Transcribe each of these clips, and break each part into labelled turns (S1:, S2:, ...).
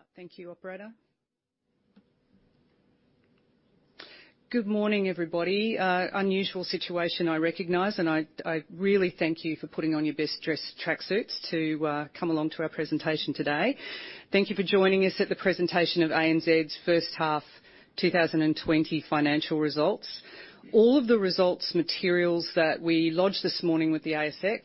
S1: To start. Thank you, Operator.
S2: Good morning, everybody. Unusual situation, I recognize, and I really thank you for putting on your best-dressed tracksuits to come along to our presentation today. Thank you for joining us at the presentation of ANZ's first half 2020 financial results. All of the results materials that we lodged this morning with the ASX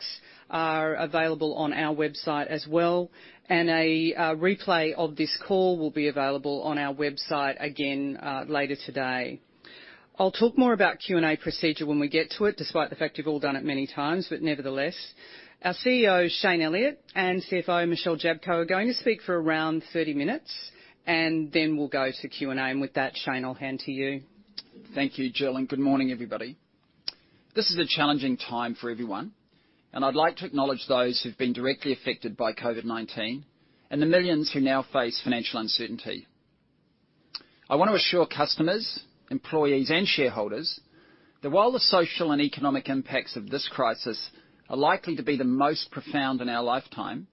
S2: are available on our website as well, and a replay of this call will be available on our website again later today. I'll talk more about Q&A procedure when we get to it, despite the fact you've all done it many times, but nevertheless. Our CEO, Shayne Elliott, and CFO, Michelle Jablko, are going to speak for around 30 minutes, and then we'll go to Q&A, and with that, Shayne, I'll hand to you.
S3: Thank you, Jill, and good morning, everybody. This is a challenging time for everyone, and I'd like to acknowledge those who've been directly affected by COVID-19 and the millions who now face financial uncertainty. I want to assure customers, employees, and shareholders that while the social and economic impacts of this crisis are likely to be the most profound in our lifetime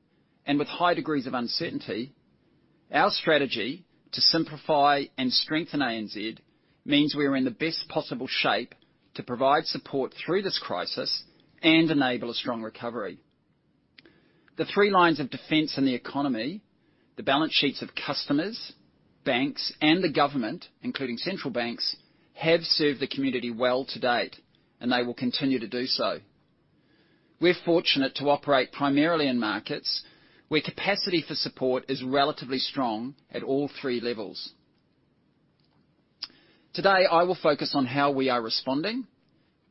S3: and with high degrees of uncertainty, our strategy to simplify and strengthen ANZ means we are in the best possible shape to provide support through this crisis and enable a strong recovery. The three lines of defense in the economy, the balance sheets of customers, banks, and the government, including central banks, have served the community well to date, and they will continue to do so. We're fortunate to operate primarily in markets where capacity for support is relatively strong at all three levels. Today, I will focus on how we are responding,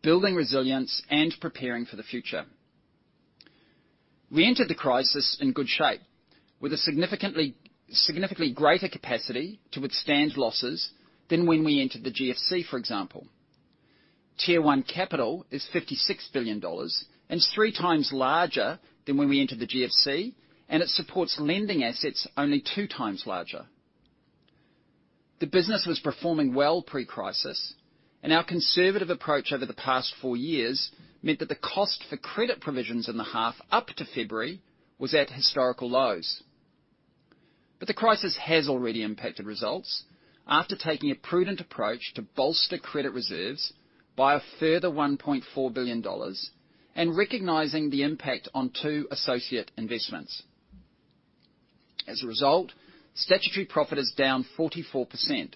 S3: building resilience, and preparing for the future. We entered the crisis in good shape with a significantly greater capacity to withstand losses than when we entered the GFC, for example. Tier 1 Capital is 56 billion dollars, and it's three times larger than when we entered the GFC, and it supports lending assets only two times larger. The business was performing well pre-crisis, and our conservative approach over the past four years meant that the cost for credit provisions in the half up to February was at historical lows. But the crisis has already impacted results after taking a prudent approach to bolster credit reserves by a further 1.4 billion dollars and recognizing the impact on two associate investments. As a result, statutory profit is down 44%,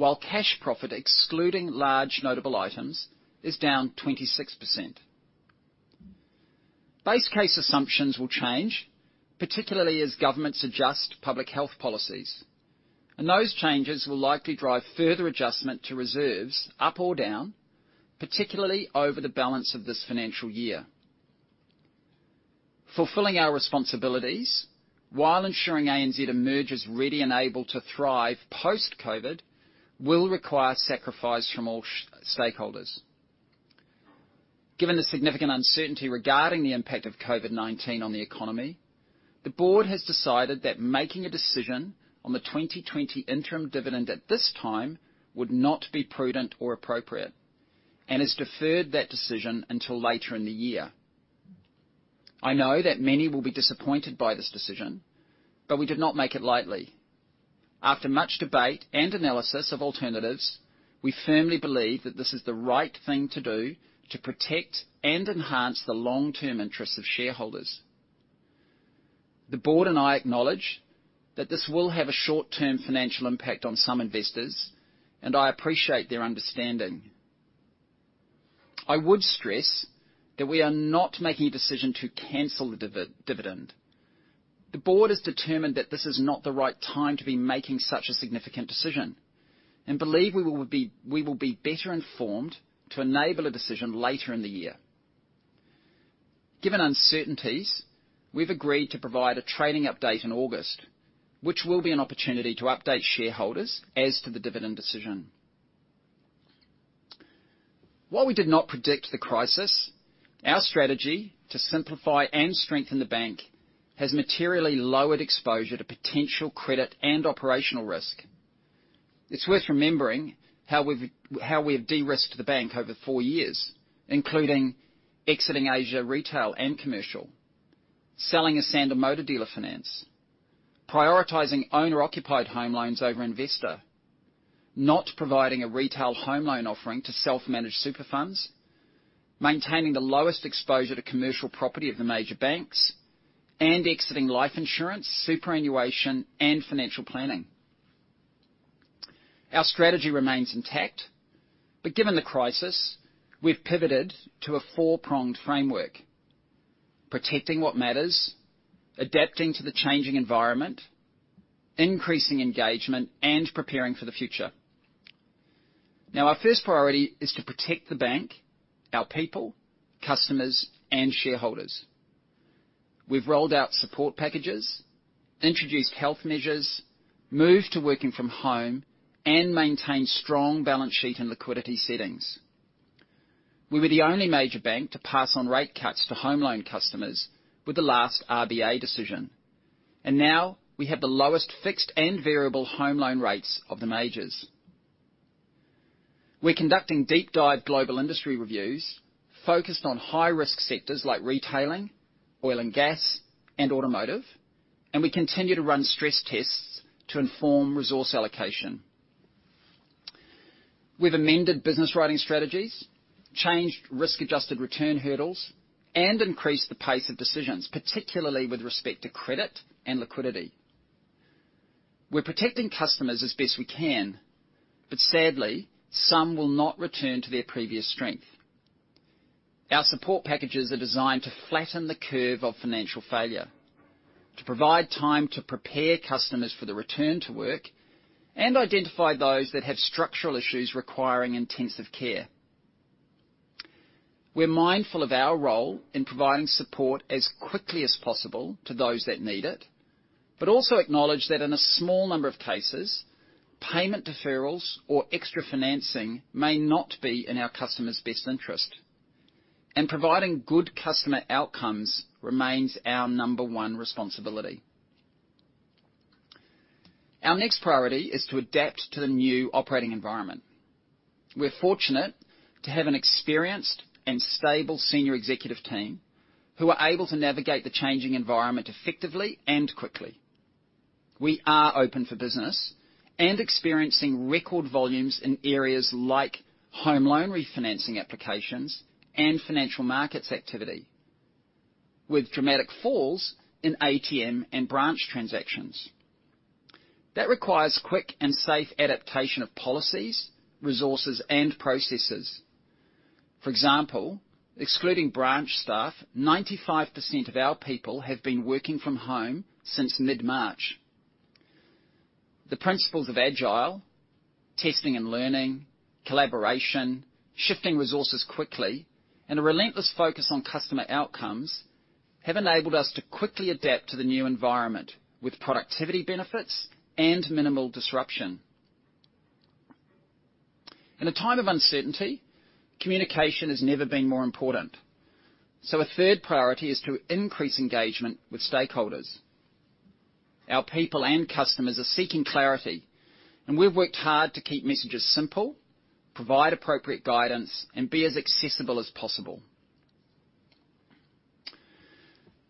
S3: while cash profit, excluding large notable items, is down 26%. Base case assumptions will change, particularly as governments adjust public health policies, and those changes will likely drive further adjustment to reserves up or down, particularly over the balance of this financial year. Fulfilling our responsibilities while ensuring ANZ emerges ready and able to thrive post-COVID will require sacrifice from all stakeholders. Given the significant uncertainty regarding the impact of COVID-19 on the economy, the board has decided that making a decision on the 2020 interim dividend at this time would not be prudent or appropriate and has deferred that decision until later in the year. I know that many will be disappointed by this decision, but we did not make it lightly. After much debate and analysis of alternatives, we firmly believe that this is the right thing to do to protect and enhance the long-term interests of shareholders. The board and I acknowledge that this will have a short-term financial impact on some investors, and I appreciate their understanding. I would stress that we are not making a decision to cancel the dividend. The board has determined that this is not the right time to be making such a significant decision and believe we will be better informed to enable a decision later in the year. Given uncertainties, we've agreed to provide a trading update in August, which will be an opportunity to update shareholders as to the dividend decision. While we did not predict the crisis, our strategy to simplify and strengthen the bank has materially lowered exposure to potential credit and operational risk. It's worth remembering how we have de-risked the bank over four years, including exiting Asia retail and commercial, selling Esanda and Motor dealer finance, prioritizing owner-occupied home loans over investor, not providing a retail home loan offering to self-managed super funds, maintaining the lowest exposure to commercial property of the major banks, and exiting life insurance, superannuation, and financial planning. Our strategy remains intact, but given the crisis, we've pivoted to a four-pronged framework: protecting what matters, adapting to the changing environment, increasing engagement, and preparing for the future. Now, our first priority is to protect the bank, our people, customers, and shareholders. We've rolled out support packages, introduced health measures, moved to working from home, and maintained strong balance sheet and liquidity settings. We were the only major bank to pass on rate cuts to home loan customers with the last RBA decision, and now we have the lowest fixed and variable home loan rates of the majors. We're conducting deep-dive global industry reviews focused on high-risk sectors like retailing, oil and gas, and automotive, and we continue to run stress tests to inform resource allocation. We've amended business writing strategies, changed risk-adjusted return hurdles, and increased the pace of decisions, particularly with respect to credit and liquidity. We're protecting customers as best we can, but sadly, some will not return to their previous strength. Our support packages are designed to flatten the curve of financial failure, to provide time to prepare customers for the return to work, and identify those that have structural issues requiring intensive care. We're mindful of our role in providing support as quickly as possible to those that need it, but also acknowledge that in a small number of cases, payment deferrals or extra financing may not be in our customers' best interest, and providing good customer outcomes remains our number one responsibility. Our next priority is to adapt to the new operating environment. We're fortunate to have an experienced and stable senior executive team who are able to navigate the changing environment effectively and quickly. We are open for business and experiencing record volumes in areas like home loan refinancing applications and financial markets activity, with dramatic falls in ATM and branch transactions. That requires quick and safe adaptation of policies, resources, and processes. For example, excluding branch staff, 95% of our people have been working from home since mid-March. The principles of agile, testing and learning, collaboration, shifting resources quickly, and a relentless focus on customer outcomes have enabled us to quickly adapt to the new environment with productivity benefits and minimal disruption. In a time of uncertainty, communication has never been more important, so a third priority is to increase engagement with stakeholders. Our people and customers are seeking clarity, and we've worked hard to keep messages simple, provide appropriate guidance, and be as accessible as possible.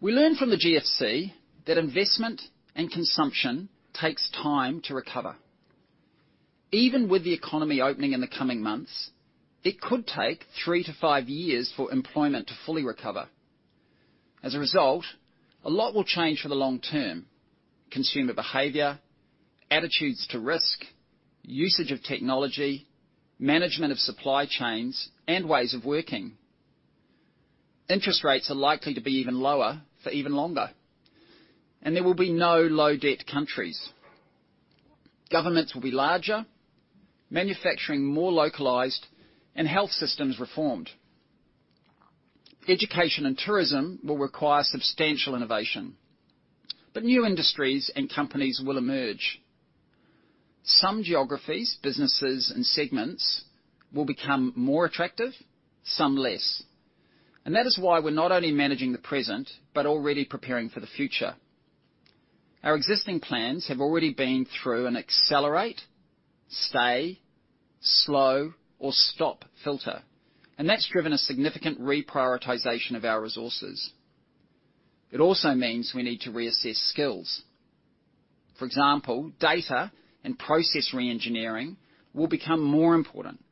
S3: We learned from the GFC that investment and consumption takes time to recover. Even with the economy opening in the coming months, it could take three to five years for employment to fully recover. As a result, a lot will change for the long term: consumer behavior, attitudes to risk, usage of technology, management of supply chains, and ways of working. Interest rates are likely to be even lower for even longer, and there will be no low-debt countries. Governments will be larger, manufacturing more localized, and health systems reformed. Education and tourism will require substantial innovation, but new industries and companies will emerge. Some geographies, businesses, and segments will become more attractive, some less, and that is why we're not only managing the present but already preparing for the future. Our existing plans have already been through an accelerate, stay, slow, or stop filter, and that's driven a significant reprioritization of our resources. It also means we need to reassess skills. For example, data and process re-engineering will become more important,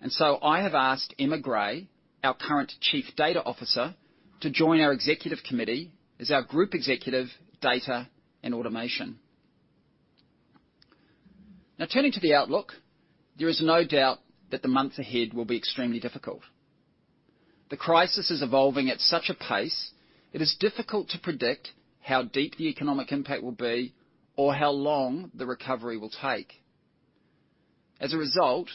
S3: and so I have asked Emma Gray, our current chief data officer, to join our executive committee as our group executive data and automation. Now, turning to the outlook, there is no doubt that the months ahead will be extremely difficult. The crisis is evolving at such a pace it is difficult to predict how deep the economic impact will be or how long the recovery will take. As a result,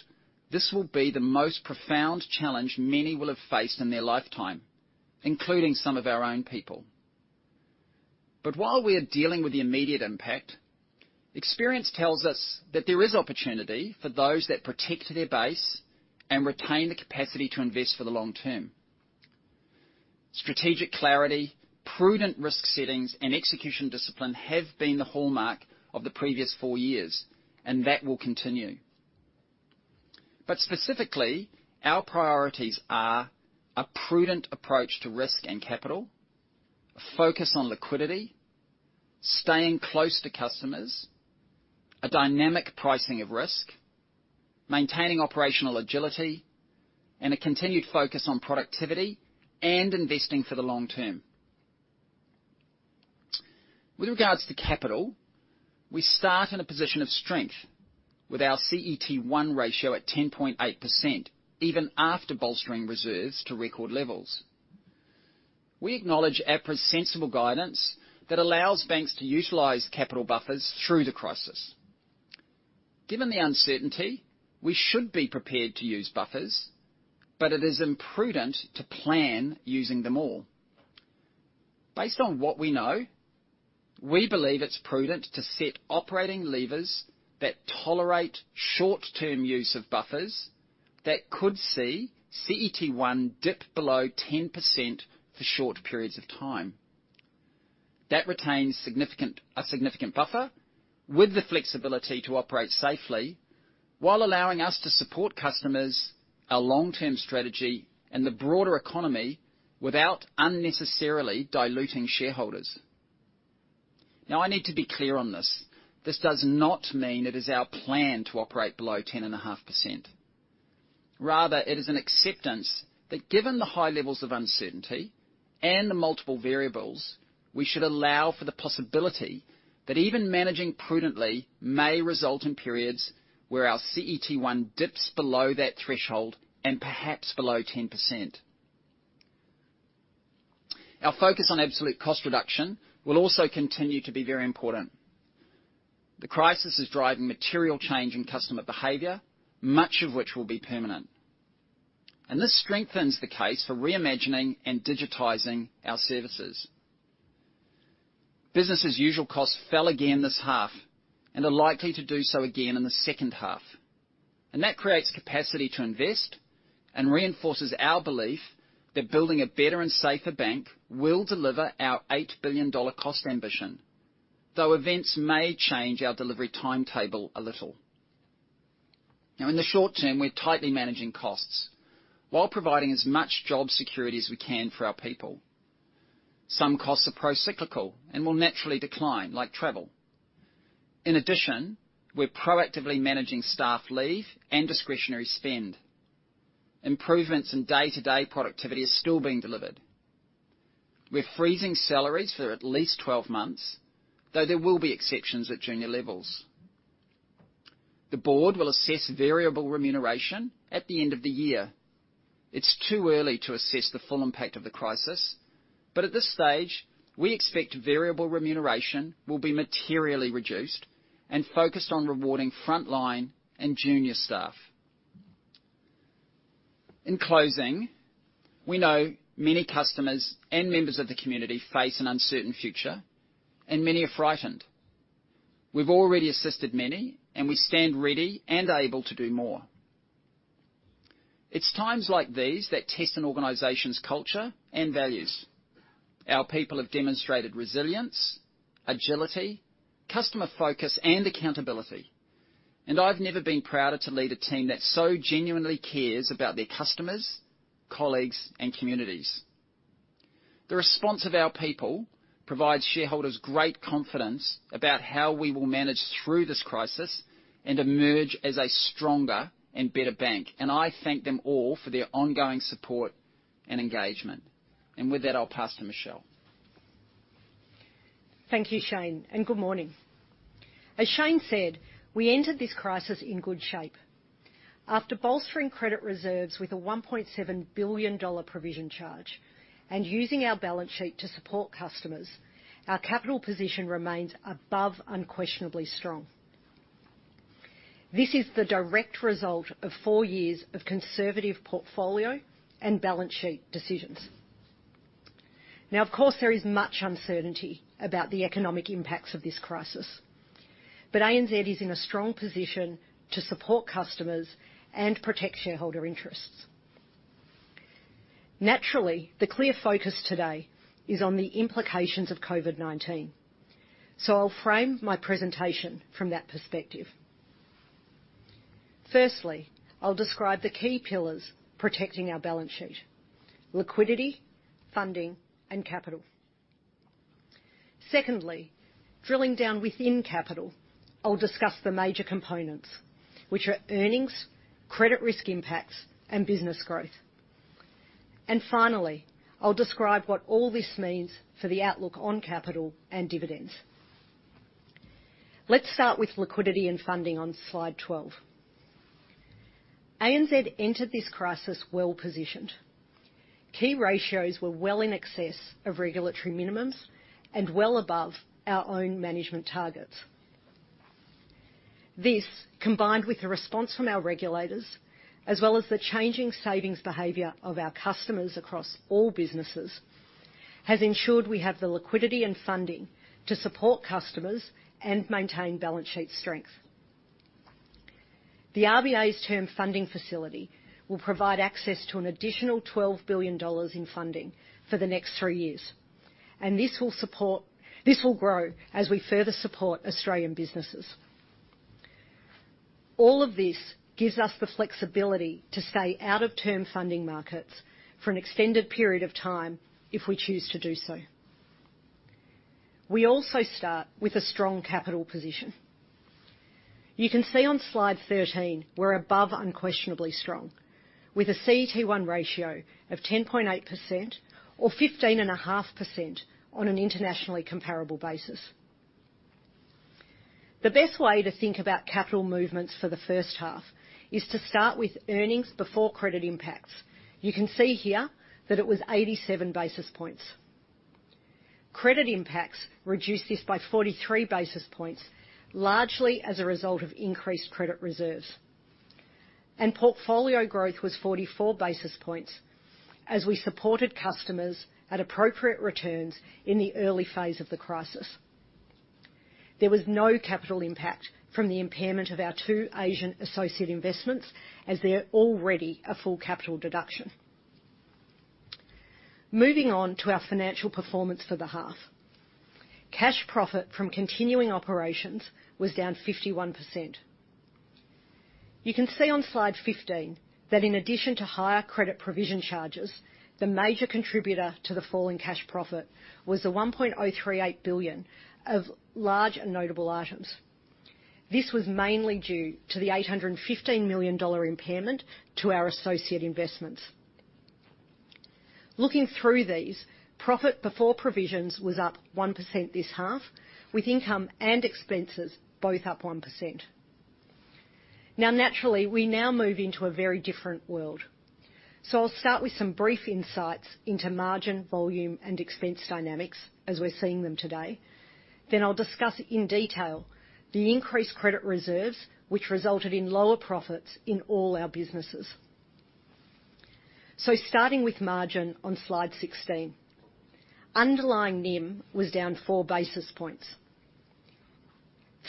S3: this will be the most profound challenge many will have faced in their lifetime, including some of our own people. But while we are dealing with the immediate impact, experience tells us that there is opportunity for those that protect their base and retain the capacity to invest for the long term. Strategic clarity, prudent risk settings, and execution discipline have been the hallmark of the previous four years, and that will continue. But specifically, our priorities are a prudent approach to risk and capital, a focus on liquidity, staying close to customers, a dynamic pricing of risk, maintaining operational agility, and a continued focus on productivity and investing for the long term. With regards to capital, we start in a position of strength with our CET1 ratio at 10.8% even after bolstering reserves to record levels. We acknowledge APRA's sensible guidance that allows banks to utilize capital buffers through the crisis. Given the uncertainty, we should be prepared to use buffers, but it is imprudent to plan using them all. Based on what we know, we believe it's prudent to set operating levers that tolerate short-term use of buffers that could see CET1 dip below 10% for short periods of time. That retains a significant buffer with the flexibility to operate safely while allowing us to support customers, our long-term strategy, and the broader economy without unnecessarily diluting shareholders. Now, I need to be clear on this. This does not mean it is our plan to operate below 10.5%. Rather, it is an acceptance that given the high levels of uncertainty and the multiple variables, we should allow for the possibility that even managing prudently may result in periods where our CET1 dips below that threshold and perhaps below 10%. Our focus on absolute cost reduction will also continue to be very important. The crisis is driving material change in customer behavior, much of which will be permanent, and this strengthens the case for reimagining and digitizing our services. Businesses' usual costs fell again this half and are likely to do so again in the second half, and that creates capacity to invest and reinforces our belief that building a better and safer bank will deliver our 8 billion dollar cost ambition, though events may change our delivery timetable a little. Now, in the short term, we're tightly managing costs while providing as much job security as we can for our people. Some costs are procyclical and will naturally decline, like travel. In addition, we're proactively managing staff leave and discretionary spend. Improvements in day-to-day productivity are still being delivered. We're freezing salaries for at least 12 months, though there will be exceptions at junior levels. The board will assess variable remuneration at the end of the year. It's too early to assess the full impact of the crisis, but at this stage, we expect variable remuneration will be materially reduced and focused on rewarding frontline and junior staff. In closing, we know many customers and members of the community face an uncertain future, and many are frightened. We've already assisted many, and we stand ready and able to do more. It's times like these that test an organization's culture and values. Our people have demonstrated resilience, agility, customer focus, and accountability, and I've never been prouder to lead a team that so genuinely cares about their customers, colleagues, and communities. The response of our people provides shareholders great confidence about how we will manage through this crisis and emerge as a stronger and better bank, and I thank them all for their ongoing support and engagement, and with that, I'll pass to Michelle.
S4: Thank you, Shayne, and good morning. As Shayne said, we entered this crisis in good shape. After bolstering credit reserves with a 1.7 billion dollar provision charge and using our balance sheet to support customers, our capital position remains above unquestionably strong. This is the direct result of four years of conservative portfolio and balance sheet decisions. Now, of course, there is much uncertainty about the economic impacts of this crisis, but ANZ is in a strong position to support customers and protect shareholder interests. Naturally, the clear focus today is on the implications of COVID-19, so I'll frame my presentation from that perspective. Firstly, I'll describe the key pillars protecting our balance sheet: liquidity, funding, and capital. Secondly, drilling down within capital, I'll discuss the major components, which are earnings, credit risk impacts, and business growth. Finally, I'll describe what all this means for the outlook on capital and dividends. Let's start with liquidity and funding on slide 12. ANZ entered this crisis well-positioned. Key ratios were well in excess of regulatory minimums and well above our own management targets. This, combined with the response from our regulators, as well as the changing savings behavior of our customers across all businesses, has ensured we have the liquidity and funding to support customers and maintain balance sheet strength. The RBA's Term Funding Facility will provide access to an additional 12 billion dollars in funding for the next three years, and this will grow as we further support Australian businesses. All of this gives us the flexibility to stay out of term funding markets for an extended period of time if we choose to do so. We also start with a strong capital position. You can see on slide 13 we're above Unquestionably Strong, with a CET1 ratio of 10.8% or 15.5% on an internationally comparable basis. The best way to think about capital movements for the first half is to start with earnings before credit impacts. You can see here that it was 87 basis points. Credit impacts reduced this by 43 basis points, largely as a result of increased credit reserves, and portfolio growth was 44 basis points as we supported customers at appropriate returns in the early phase of the crisis. There was no capital impact from the impairment of our two Asian associate investments as they're already a full capital deduction. Moving on to our financial performance for the half, cash profit from continuing operations was down 51%. You can see on slide 15 that in addition to higher credit provision charges, the major contributor to the fall in cash profit was the 1.038 billion of large and notable items. This was mainly due to the 815 million dollar impairment to our associate investments. Looking through these, profit before provisions was up 1% this half, with income and expenses both up 1%. Now, naturally, we now move into a very different world, so I'll start with some brief insights into margin, volume, and expense dynamics as we're seeing them today. Then I'll discuss in detail the increased credit reserves, which resulted in lower profits in all our businesses, so starting with margin on slide 16, underlying NIM was down four basis points.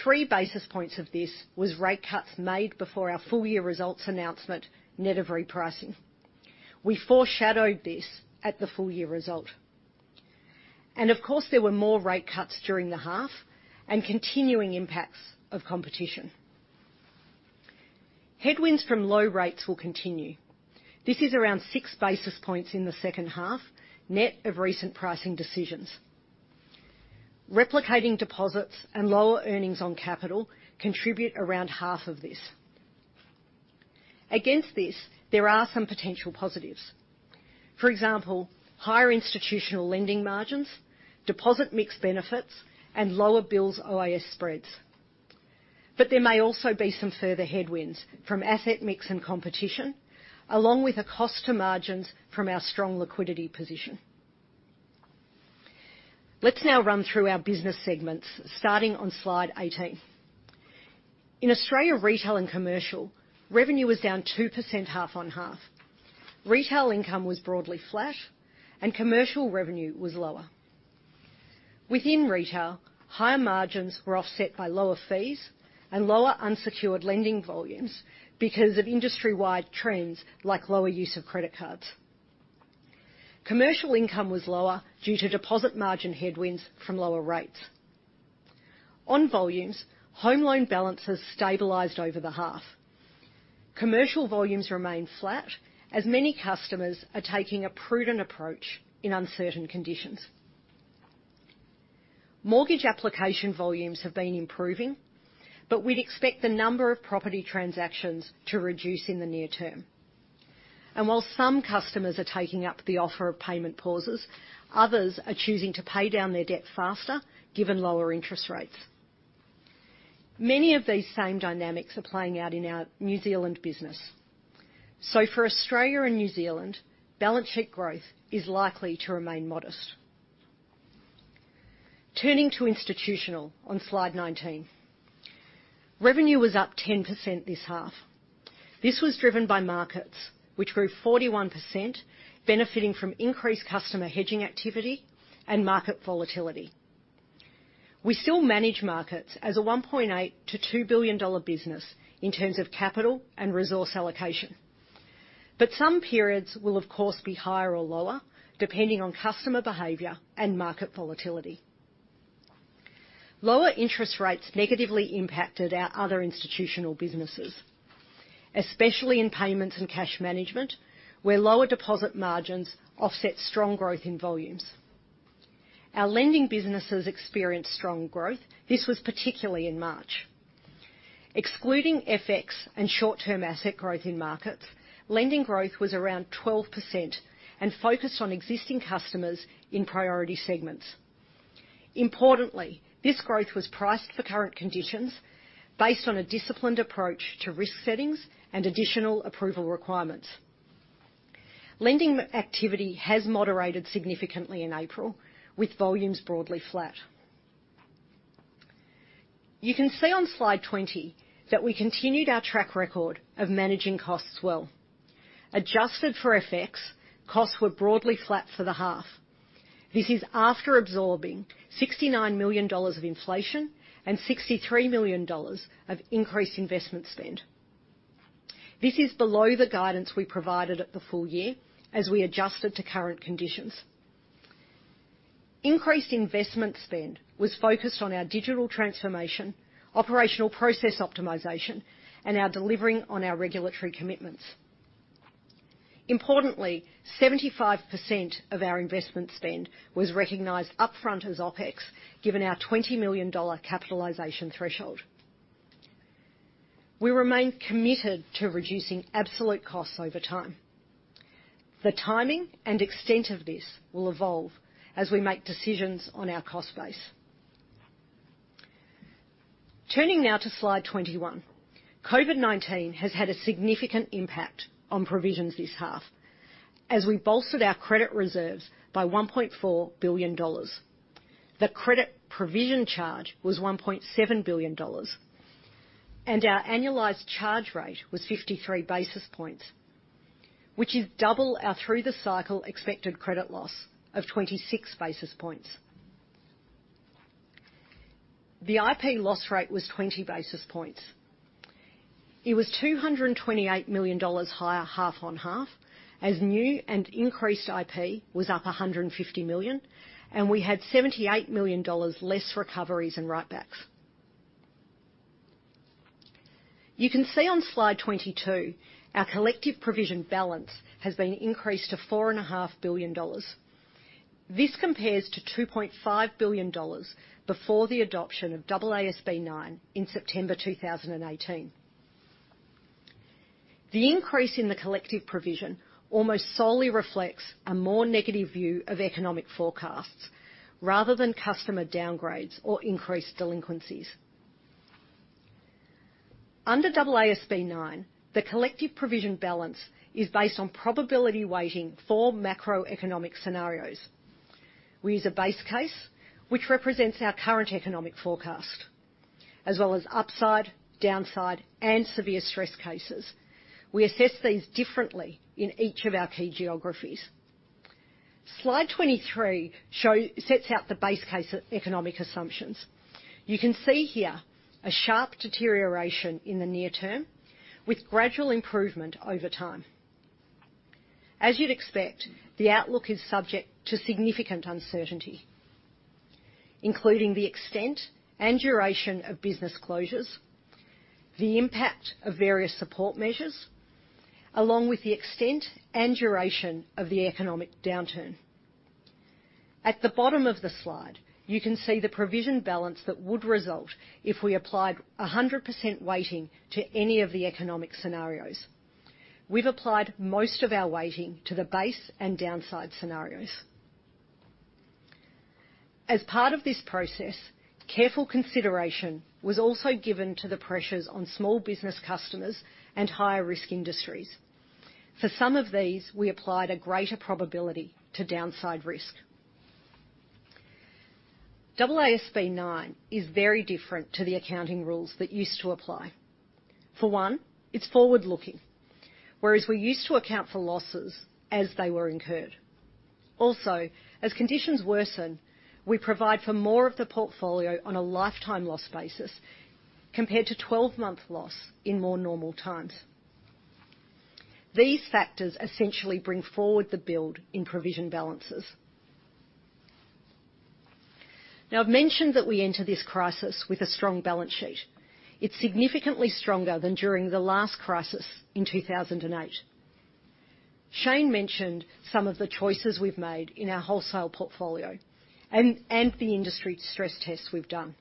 S4: Three basis points of this was rate cuts made before our full-year results announcement, net of repricing. We foreshadowed this at the full-year result. Of course, there were more rate cuts during the half and continuing impacts of competition. Headwinds from low rates will continue. This is around six basis points in the second half, net of recent pricing decisions. Replicating deposits and lower earnings on capital contribute around half of this. Against this, there are some potential positives. For example, higher institutional lending margins, deposit mix benefits, and lower bills OIS spreads. But there may also be some further headwinds from asset mix and competition, along with a cost to margins from our strong liquidity position. Let's now run through our business segments, starting on slide 18. In Australia retail and commercial, revenue was down 2% half on half. Retail income was broadly flat, and commercial revenue was lower. Within retail, higher margins were offset by lower fees and lower unsecured lending volumes because of industry-wide trends like lower use of credit cards. Commercial income was lower due to deposit margin headwinds from lower rates. On volumes, home loan balances stabilized over the half. Commercial volumes remain flat as many customers are taking a prudent approach in uncertain conditions. Mortgage application volumes have been improving, but we'd expect the number of property transactions to reduce in the near term, and while some customers are taking up the offer of payment pauses, others are choosing to pay down their debt faster given lower interest rates. Many of these same dynamics are playing out in our New Zealand business, so for Australia and New Zealand, balance sheet growth is likely to remain modest. Turning to institutional on slide 19, revenue was up 10% this half. This was driven by markets, which grew 41%, benefiting from increased customer hedging activity and market volatility. We still manage markets as a 1.8-2 billion dollar business in terms of capital and resource allocation, but some periods will, of course, be higher or lower depending on customer behavior and market volatility. Lower interest rates negatively impacted our other institutional businesses, especially in payments and cash management, where lower deposit margins offset strong growth in volumes. Our lending businesses experienced strong growth. This was particularly in March. Excluding FX and short-term asset growth in markets, lending growth was around 12% and focused on existing customers in priority segments. Importantly, this growth was priced for current conditions based on a disciplined approach to risk settings and additional approval requirements. Lending activity has moderated significantly in April, with volumes broadly flat. You can see on slide 20 that we continued our track record of managing costs well. Adjusted for FX, costs were broadly flat for the half. This is after absorbing 69 million dollars of inflation and 63 million dollars of increased investment spend. This is below the guidance we provided at the full year as we adjusted to current conditions. Increased investment spend was focused on our digital transformation, operational process optimization, and our delivering on our regulatory commitments. Importantly, 75% of our investment spend was recognized upfront as OPEX, given our AUD 20 million capitalization threshold. We remain committed to reducing absolute costs over time. The timing and extent of this will evolve as we make decisions on our cost base. Turning now to slide 21, COVID-19 has had a significant impact on provisions this half as we bolstered our credit reserves by 1.4 billion dollars. The credit provision charge was 1.7 billion dollars, and our annualized charge rate was 53 basis points, which is double our through-the-cycle expected credit loss of 26 basis points. The IP loss rate was 20 basis points. It was 228 million dollars higher half on half as new and increased IP was up 150 million, and we had 78 million dollars less recoveries and writebacks. You can see on slide 22 our collective provision balance has been increased to 4.5 billion dollars. This compares to 2.5 billion dollars before the adoption of AASB 9 in September 2018. The increase in the collective provision almost solely reflects a more negative view of economic forecasts rather than customer downgrades or increased delinquencies. Under AASB 9, the collective provision balance is based on probability weighting for macroeconomic scenarios. We use a base case, which represents our current economic forecast, as well as upside, downside, and severe stress cases. We assess these differently in each of our key geographies. Slide 23 sets out the base case economic assumptions. You can see here a sharp deterioration in the near term with gradual improvement over time. As you'd expect, the outlook is subject to significant uncertainty, including the extent and duration of business closures, the impact of various support measures, along with the extent and duration of the economic downturn. At the bottom of the slide, you can see the provision balance that would result if we applied 100% weighting to any of the economic scenarios. We've applied most of our weighting to the base and downside scenarios. As part of this process, careful consideration was also given to the pressures on small business customers and higher risk industries. For some of these, we applied a greater probability to downside risk. 9 is very different to the accounting rules that used to apply. For one, it's forward-looking, whereas we used to account for losses as they were incurred. Also, as conditions worsen, we provide for more of the portfolio on a lifetime loss basis compared to 12-month loss in more normal times. These factors essentially bring forward the build in provision balances. Now, I've mentioned that we enter this crisis with a strong balance sheet. It's significantly stronger than during the last crisis in 2008. Shayne mentioned some of the choices we've made in our wholesale portfolio and the industry stress tests we've done.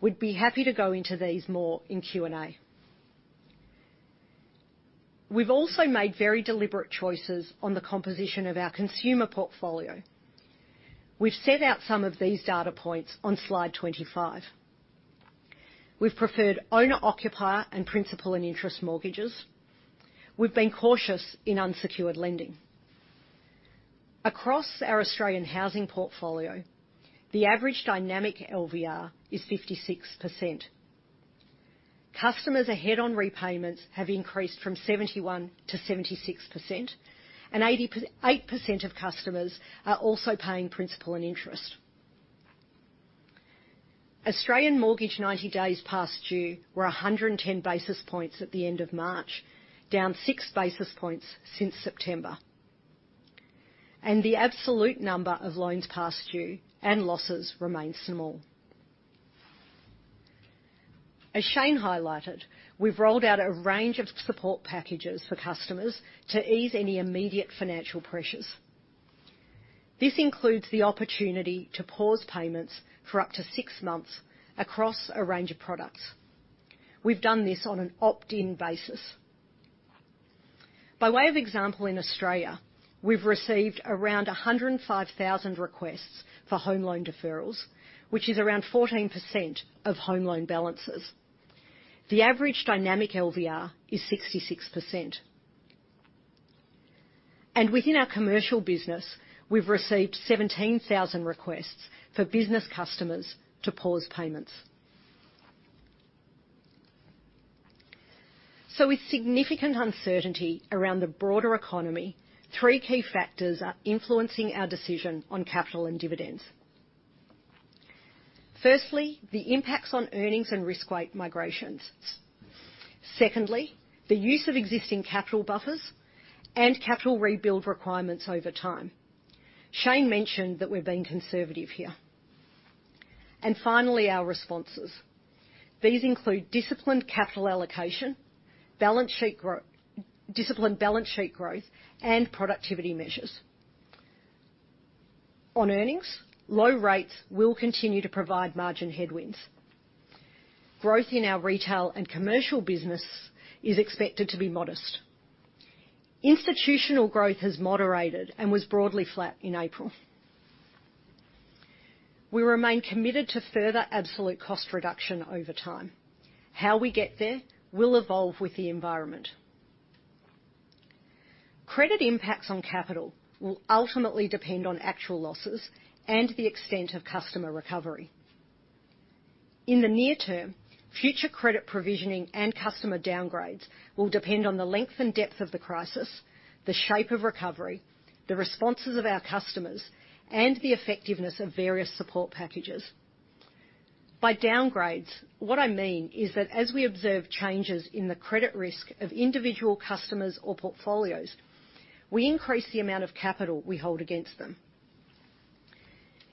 S4: We'd be happy to go into these more in Q&A. We've also made very deliberate choices on the composition of our consumer portfolio. We've set out some of these data points on slide 25. We've preferred owner-occupier and principal and interest mortgages. We've been cautious in unsecured lending. Across our Australian housing portfolio, the average dynamic LVR is 56%. Customers ahead on repayments have increased from 71%-76%, and 8% of customers are also paying principal and interest. Australian mortgage 90 days past due were 110 basis points at the end of March, down 6 basis points since September, and the absolute number of loans past due and losses remains small. As Shayne highlighted, we've rolled out a range of support packages for customers to ease any immediate financial pressures. This includes the opportunity to pause payments for up to six months across a range of products. We've done this on an opt-in basis. By way of example, in Australia, we've received around 105,000 requests for home loan deferrals, which is around 14% of home loan balances. The average dynamic LVR is 66%. And within our commercial business, we've received 17,000 requests for business customers to pause payments. So, with significant uncertainty around the broader economy, three key factors are influencing our decision on capital and dividends. Firstly, the impacts on earnings and risk weight migrations. Secondly, the use of existing capital buffers and capital rebuild requirements over time. Shayne mentioned that we're being conservative here. And finally, our responses. These include disciplined capital allocation, balance sheet growth, and productivity measures. On earnings, low rates will continue to provide margin headwinds. Growth in our retail and commercial business is expected to be modest. Institutional growth has moderated and was broadly flat in April. We remain committed to further absolute cost reduction over time. How we get there will evolve with the environment. Credit impacts on capital will ultimately depend on actual losses and the extent of customer recovery. In the near term, future credit provisioning and customer downgrades will depend on the length and depth of the crisis, the shape of recovery, the responses of our customers, and the effectiveness of various support packages. By downgrades, what I mean is that as we observe changes in the credit risk of individual customers or portfolios, we increase the amount of capital we hold against them.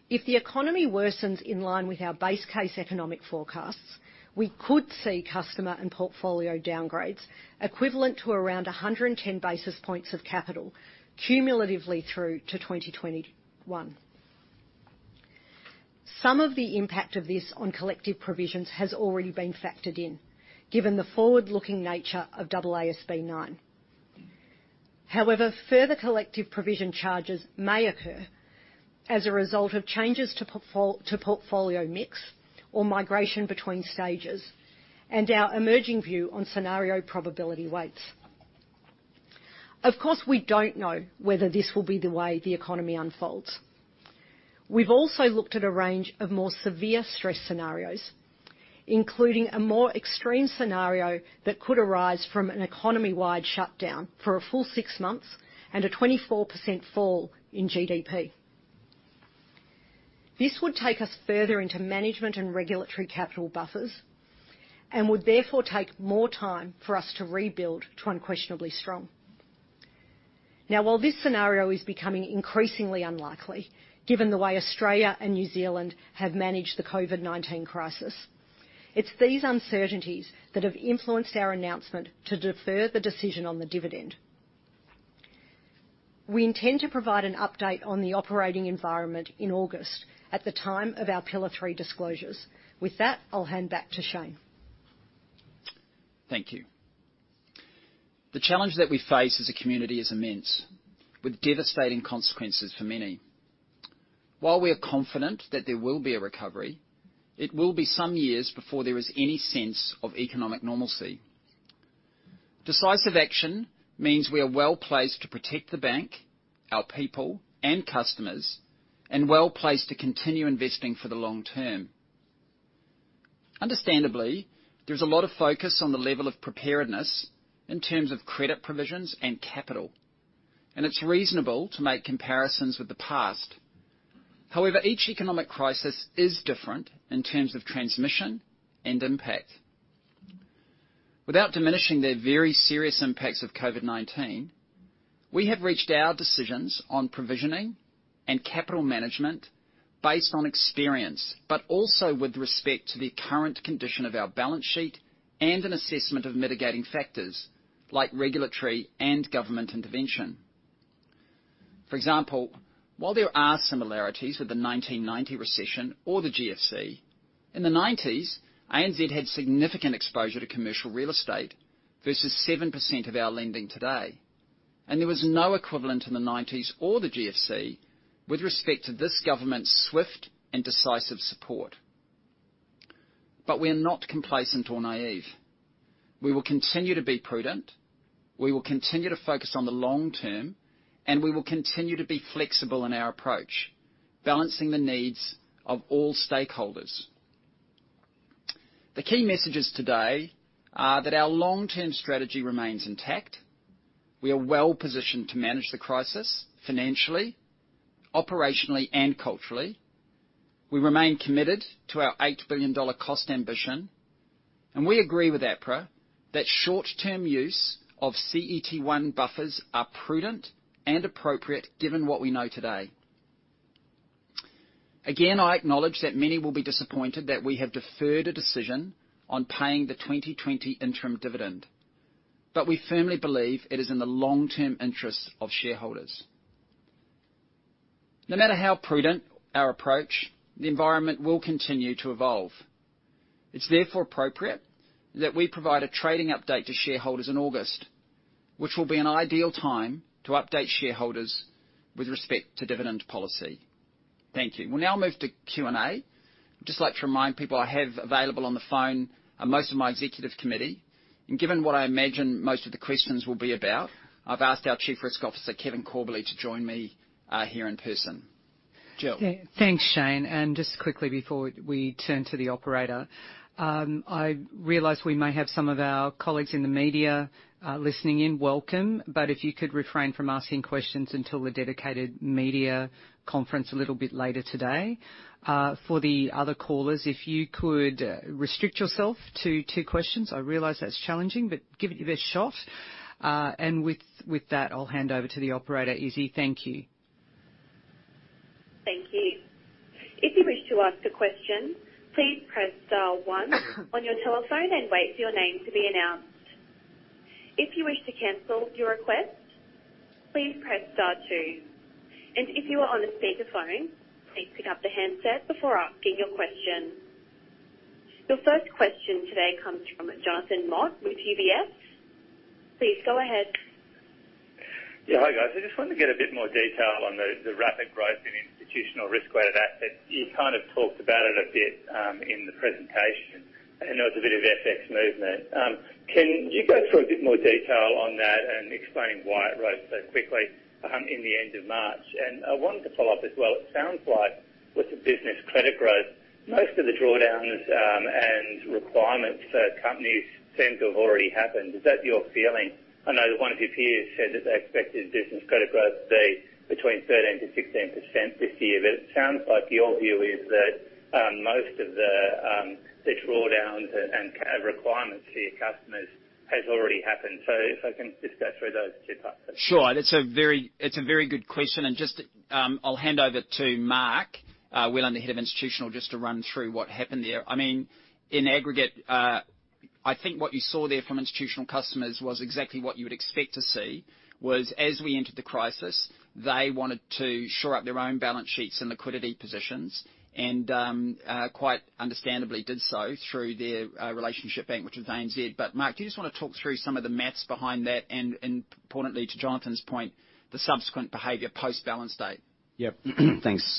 S4: If the economy worsens in line with our base case economic forecasts, we could see customer and portfolio downgrades equivalent to around 110 basis points of capital cumulatively through to 2021. Some of the impact of this on collective provisions has already been factored in, given the forward-looking nature of AASB 9. However, further collective provision charges may occur as a result of changes to portfolio mix or migration between stages and our emerging view on scenario probability weights. Of course, we don't know whether this will be the way the economy unfolds. We've also looked at a range of more severe stress scenarios, including a more extreme scenario that could arise from an economy-wide shutdown for a full six months and a 24% fall in GDP. This would take us further into management and regulatory capital buffers and would therefore take more time for us to rebuild to Unquestionably Strong. Now, while this scenario is becoming increasingly unlikely, given the way Australia and New Zealand have managed the COVID-19 crisis, it's these uncertainties that have influenced our announcement to defer the decision on the dividend. We intend to provide an update on the operating environment in August at the time of our Pillar Three disclosures. With that, I'll hand back to Shayne. Thank you.
S3: The challenge that we face as a community is immense, with devastating consequences for many. While we are confident that there will be a recovery, it will be some years before there is any sense of economic normalcy. Decisive action means we are well placed to protect the bank, our people, and customers, and well placed to continue investing for the long term. Understandably, there's a lot of focus on the level of preparedness in terms of credit provisions and capital, and it's reasonable to make comparisons with the past. However, each economic crisis is different in terms of transmission and impact. Without diminishing the very serious impacts of COVID-19, we have reached our decisions on provisioning and capital management based on experience, but also with respect to the current condition of our balance sheet and an assessment of mitigating factors like regulatory and government intervention. For example, while there are similarities with the 1990 recession or the GFC, in the '90s, ANZ had significant exposure to commercial real estate versus seven% of our lending today, and there was no equivalent in the '90s or the GFC with respect to this government's swift and decisive support. But we are not complacent or naive. We will continue to be prudent. We will continue to focus on the long term, and we will continue to be flexible in our approach, balancing the needs of all stakeholders. The key messages today are that our long-term strategy remains intact. We are well positioned to manage the crisis financially, operationally, and culturally. We remain committed to our 8 billion dollar cost ambition, and we agree with APRA that short-term use of CET1 buffers are prudent and appropriate given what we know today. Again, I acknowledge that many will be disappointed that we have deferred a decision on paying the 2020 interim dividend, but we firmly believe it is in the long-term interest of shareholders. No matter how prudent our approach, the environment will continue to evolve. It's therefore appropriate that we provide a trading update to shareholders in August, which will be an ideal time to update shareholders with respect to dividend policy. Thank you. We'll now move to Q&A. I'd just like to remind people I have available on the phone most of my executive committee. And given what I imagine most of the questions will be about, I've asked our Chief Risk Officer, Kevin Corbally, to join me here in person. Jill.
S2: Thanks, Shayne. And just quickly before we turn to the operator, I realize we may have some of our colleagues in the media listening in. Welcome, but if you could refrain from asking questions until the dedicated media conference a little bit later today. For the other callers, if you could restrict yourself to two questions. I realize that's challenging, but give it your best shot. And with that, I'll hand over to the operator, Izzy. Thank you.
S1: Thank you. If you wish to ask a question, please press Star one on your telephone and wait for your name to be announced. If you wish to cancel your request, please press Star two. And if you are on a speakerphone, please pick up the handset before asking your question. Your first question today comes from Jonathan Mott with UBS. Please go ahead.
S5: Yeah, hi guys. I just wanted to get a bit more detail on the rapid growth in institutional risk-weighted assets. You kind of talked about it a bit in the presentation, and there was a bit of FX movement. Can you go through a bit more detail on that and explain why it rose so quickly in the end of March? And I wanted to follow up as well. It sounds like with the business credit growth, most of the drawdowns and requirements for companies seem to have already happened. Is that your feeling? I know that one of your peers said that they expected business credit growth to be between 13%-16% this year, but it sounds like your view is that most of the drawdowns and requirements for your customers have already happened. So if I can just go through those two parts.
S3: Sure. It's a very good question. And just I'll hand over to Mark Whelan, the head of institutional, just to run through what happened there. I mean, in aggregate, I think what you saw there from institutional customers was exactly what you would expect to see, was as we entered the crisis, they wanted to shore up their own balance sheets and liquidity positions and quite understandably did so through their relationship bank, which was ANZ. But Mark, do you just want to talk through some of the math behind that? And importantly, to Jonathan's point, the subsequent behavior post-balance date.
S6: Yep. Thanks,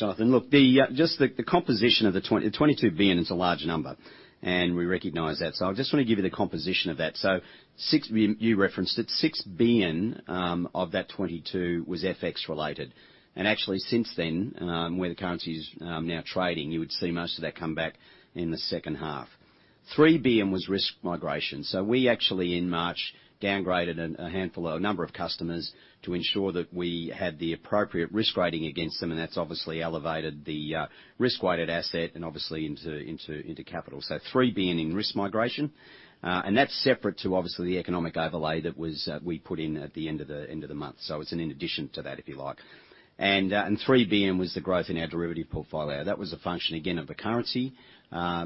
S6: Jonathan. Look, just the composition of the 22 billion, it's a large number, and we recognize that. So I just want to give you the composition of that. So you referenced it. 6 billion of that 22 was FX-related. Actually, since then, where the currency is now trading, you would see most of that come back in the second half. 3 billion was risk migration. So we actually, in March, downgraded a number of customers to ensure that we had the appropriate risk rating against them, and that's obviously elevated the risk-weighted asset and obviously into capital. So 3 billion in risk migration. And that's separate to obviously the economic overlay that we put in at the end of the month. So it's an in addition to that, if you like. And 3 billion was the growth in our derivative portfolio. That was a function, again, of the currency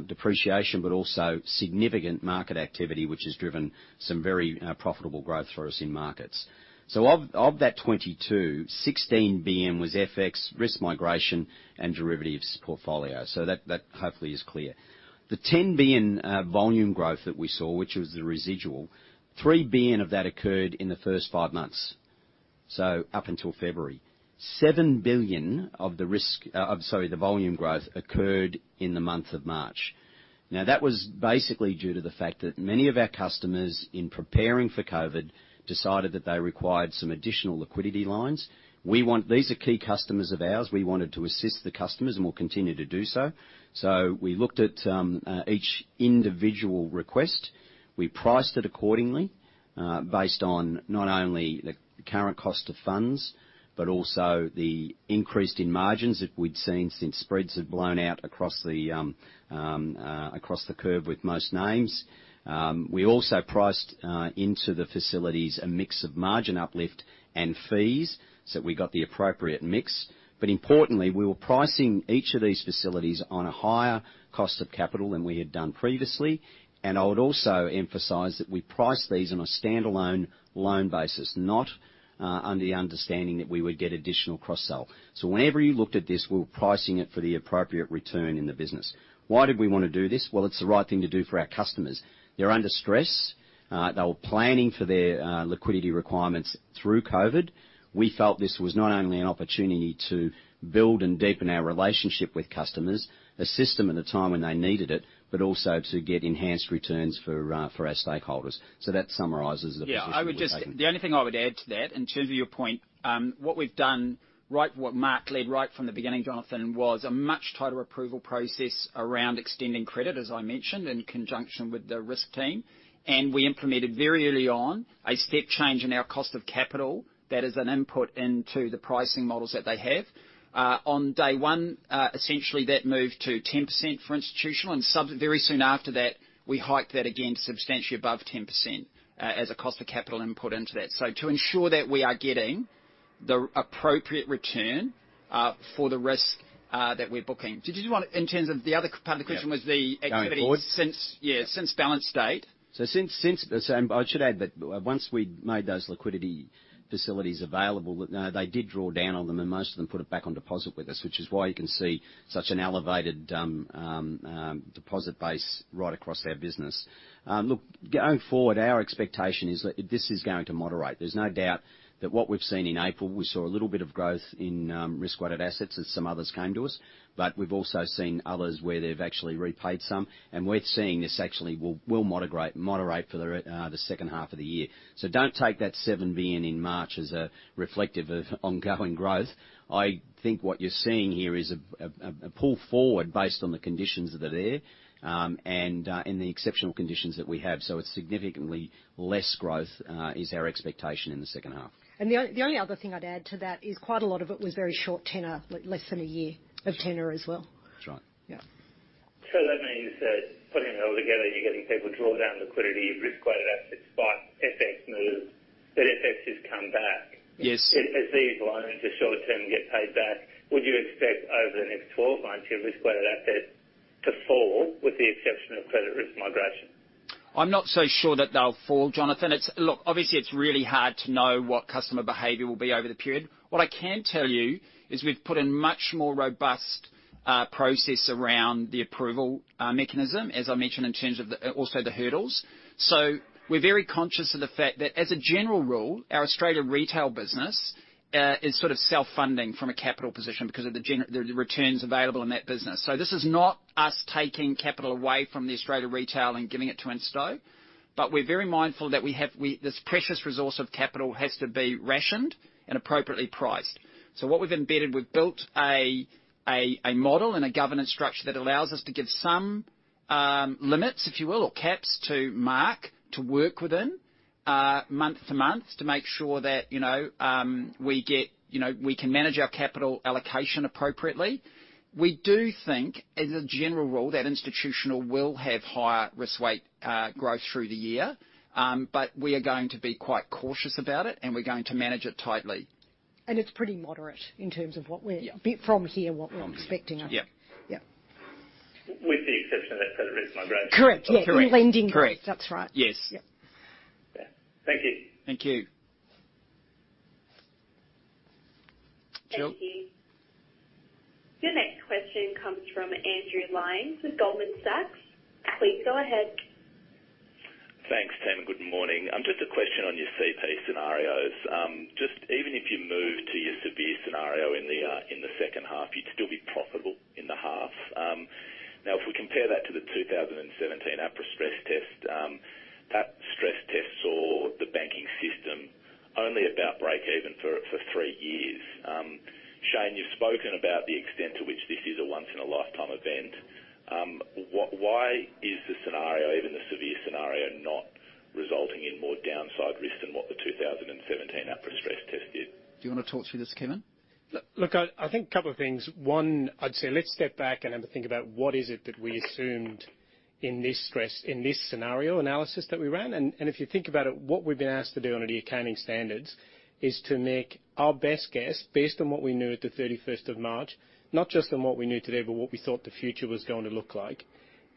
S6: depreciation, but also significant market activity, which has driven some very profitable growth for us in markets. So of that 22 billion, 16 billion was FX, risk migration, and derivatives portfolio. So that hopefully is clear. The 10 billion volume growth that we saw, which was the residual, 3 billion of that occurred in the first five months, so up until February. 7 billion of the volume growth occurred in the month of March. Now, that was basically due to the fact that many of our customers, in preparing for COVID, decided that they required some additional liquidity lines. These are key customers of ours. We wanted to assist the customers and will continue to do so. So we looked at each individual request. We priced it accordingly based on not only the current cost of funds but also the increase in margins that we'd seen since spreads had blown out across the curve with most names. We also priced into the facilities a mix of margin uplift and fees so that we got the appropriate mix. But importantly, we were pricing each of these facilities on a higher cost of capital than we had done previously. And I would also emphasize that we priced these on a standalone loan basis, not under the understanding that we would get additional cross-sell. So whenever you looked at this, we were pricing it for the appropriate return in the business. Why did we want to do this? Well, it's the right thing to do for our customers. They're under stress. They were planning for their liquidity requirements through COVID. We felt this was not only an opportunity to build and deepen our relationship with customers, assist them at a time when they needed it, but also to get enhanced returns for our stakeholders. So that summarizes the position.
S3: Yeah. The only thing I would add to that, in terms of your point, what we've done, right, what Mark led right from the beginning, Jonathan, was a much tighter approval process around extending credit, as I mentioned, in conjunction with the risk team. And we implemented very early on a step change in our cost of capital that is an input into the pricing models that they have. On day one, essentially, that moved to 10% for institutional. And very soon after that, we hiked that again substantially above 10% as a cost of capital input into that. So to ensure that we are getting the appropriate return for the risk that we're booking. Did you just want to, in terms of the other part of the question was the activities. Yeah, since balance date. So, I should add that once we made those liquidity facilities available, they did draw down on them, and most of them put it back on deposit with us, which is why you can see such an elevated deposit base right across our business. Look, going forward, our expectation is that this is going to moderate. There's no doubt that what we've seen in April, we saw a little bit of growth in risk-weighted assets as some others came to us, but we've also seen others where they've actually repaid some. And we're seeing this actually will moderate for the second half of the year. Don't take that 7 billion in March as reflective of ongoing growth. I think what you're seeing here is a pull forward based on the conditions that are there and in the exceptional conditions that we have. So it's significantly less growth, is our expectation, in the second half.
S4: And the only other thing I'd add to that is quite a lot of it was very short tenor, less than a year of tenor as well. That's right.
S5: Yeah. So that means that putting it all together, you're getting people draw down liquidity, risk-weighted assets by FX move, but FX has come back. Yes. As these loans are short-term and get paid back, would you expect over the next 12 months your risk-weighted assets to fall with the exception of credit risk migration?
S3: I'm not so sure that they'll fall, Jonathan. Look, obviously, it's really hard to know what customer behavior will be over the period. What I can tell you is we've put in much more robust process around the approval mechanism, as I mentioned, in terms of also the hurdles. So we're very conscious of the fact that, as a general rule, our Australia retail business is sort of self-funding from a capital position because of the returns available in that business. So this is not us taking capital away from the Australia retail and giving it to institutional, but we're very mindful that this precious resource of capital has to be rationed and appropriately priced. So what we've embedded, we've built a model and a governance structure that allows us to give some limits, if you will, or caps to Mark to work within month to month to make sure that we can manage our capital allocation appropriately. We do think, as a general rule, that institutional will have higher risk-weight growth through the year, but we are going to be quite cautious about it, and we're going to manage it tightly.
S4: And it's pretty moderate in terms of from here, what we're expecting.
S3: Yeah.
S5: With the exception of that credit risk migration.
S4: Correct.
S3: Yeah. Relending risk. Correct. That's right. Yes. Yeah.
S5: Thank you.
S1: Thank you. Jill? Thank you. Your next question comes from Andrew Lyons with Goldman Sachs. Please go ahead.
S7: Thanks, Tim. Good morning. Just a question on your CP scenarios. Just even if you moved to your severe scenario in the second half, you'd still be profitable in the half. Now, if we compare that to the 2017 APRA stress test, that stress test saw the banking system only about break-even for three years. Shayne, you've spoken about the extent to which this is a once-in-a-lifetime event. Why is the scenario, even the severe scenario, not resulting in more downside risk than what the 2017 APRA stress test did?
S3: Do you want to talk through this, Kevin?
S8: Look, I think a couple of things. One, I'd say let's step back and think about what is it that we assumed in this scenario analysis that we ran. And if you think about it, what we've been asked to do under the accounting standards is to make our best guess based on what we knew at the 31st of March, not just on what we knew today, but what we thought the future was going to look like.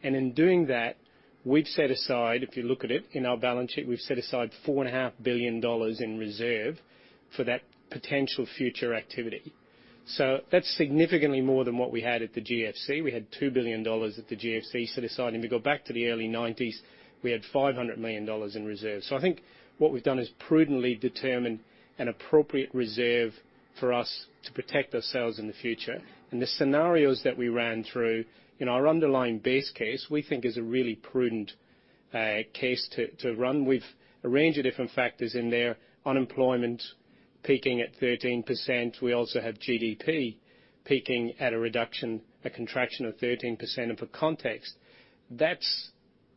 S8: And in doing that, we've set aside, if you look at it in our balance sheet, we've set aside 4.5 billion dollars in reserve for that potential future activity. So that's significantly more than what we had at the GFC. We had 2 billion dollars at the GFC set aside. And if you go back to the early 1990s, we had 500 million dollars in reserve. So I think what we've done is prudently determine an appropriate reserve for us to protect ourselves in the future. And the scenarios that we ran through, our underlying best case, we think is a really prudent case to run. We've arranged different factors in there. Unemployment peaking at 13%. We also have GDP peaking at a contraction of 13%. And for context, that's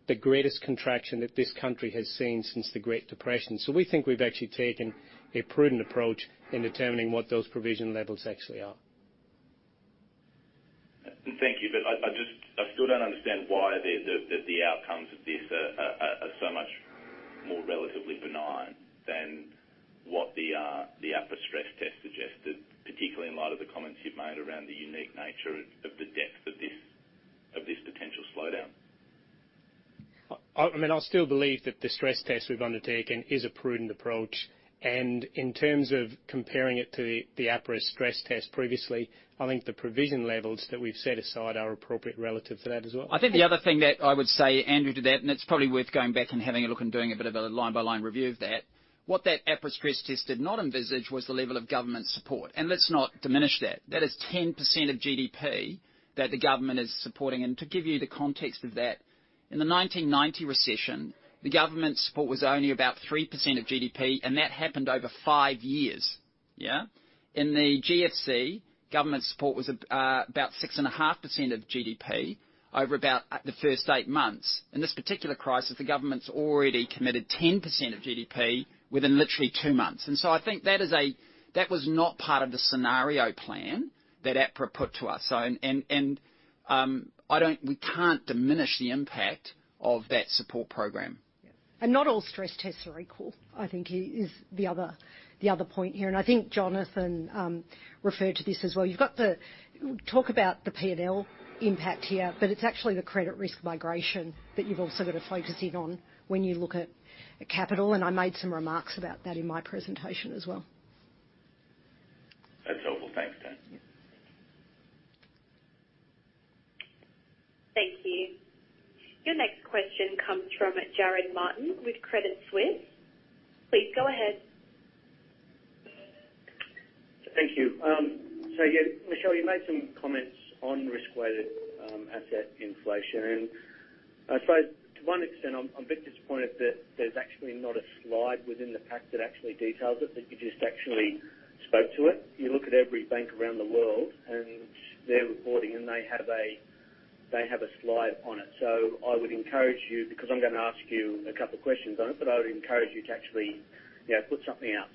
S8: the greatest contraction that this country has seen since the Great Depression. So we think we've actually taken a prudent approach in determining what those provision levels actually are.
S7: Thank you. But I still don't understand why the outcomes of this are so much more relatively benign than what the APRA stress test suggested, particularly in light of the comments you've made around the unique nature of the depth of this potential slowdown.
S3: I mean, I still believe that the stress test we've undertaken is a prudent approach. And in terms of comparing it to the APRA stress test previously, I think the provision levels that we've set aside are appropriate relative to that as well.
S8: I think the other thing that I would say, Andrew, to that, and it's probably worth going back and having a look and doing a bit of a line-by-line review of that. What that APRA stress test did not envisage was the level of government support. And let's not diminish that. That is 10% of GDP that the government is supporting. And to give you the context of that, in the 1990 recession, the government support was only about 3% of GDP, and that happened over five years. Yeah? In the GFC, government support was about 6.5% of GDP over about the first eight months. In this particular crisis, the government's already committed 10% of GDP within literally two months, and so I think that was not part of the scenario plan that APRA put to us, and we can't diminish the impact of that support program,
S4: And not all stress tests are equal, I think, is the other point here, and I think Jonathan referred to this as well. You've got to talk about the P&L impact here, but it's actually the credit risk migration that you've also got to focus in on when you look at capital, and I made some remarks about that in my presentation as well.
S8: That's helpful. Thanks, Tim.
S1: Thank you. Your next question comes from Jarrod Martin with Credit Suisse. Please go ahead.
S9: Thank you, so Michelle, you made some comments on risk-weighted asset inflation. I suppose, to one extent, I'm a bit disappointed that there's actually not a slide within the pack that actually details it, that you just actually spoke to it. You look at every bank around the world, and they're reporting, and they have a slide on it. I would encourage you because I'm going to ask you a couple of questions on it, but I would encourage you to actually put something out.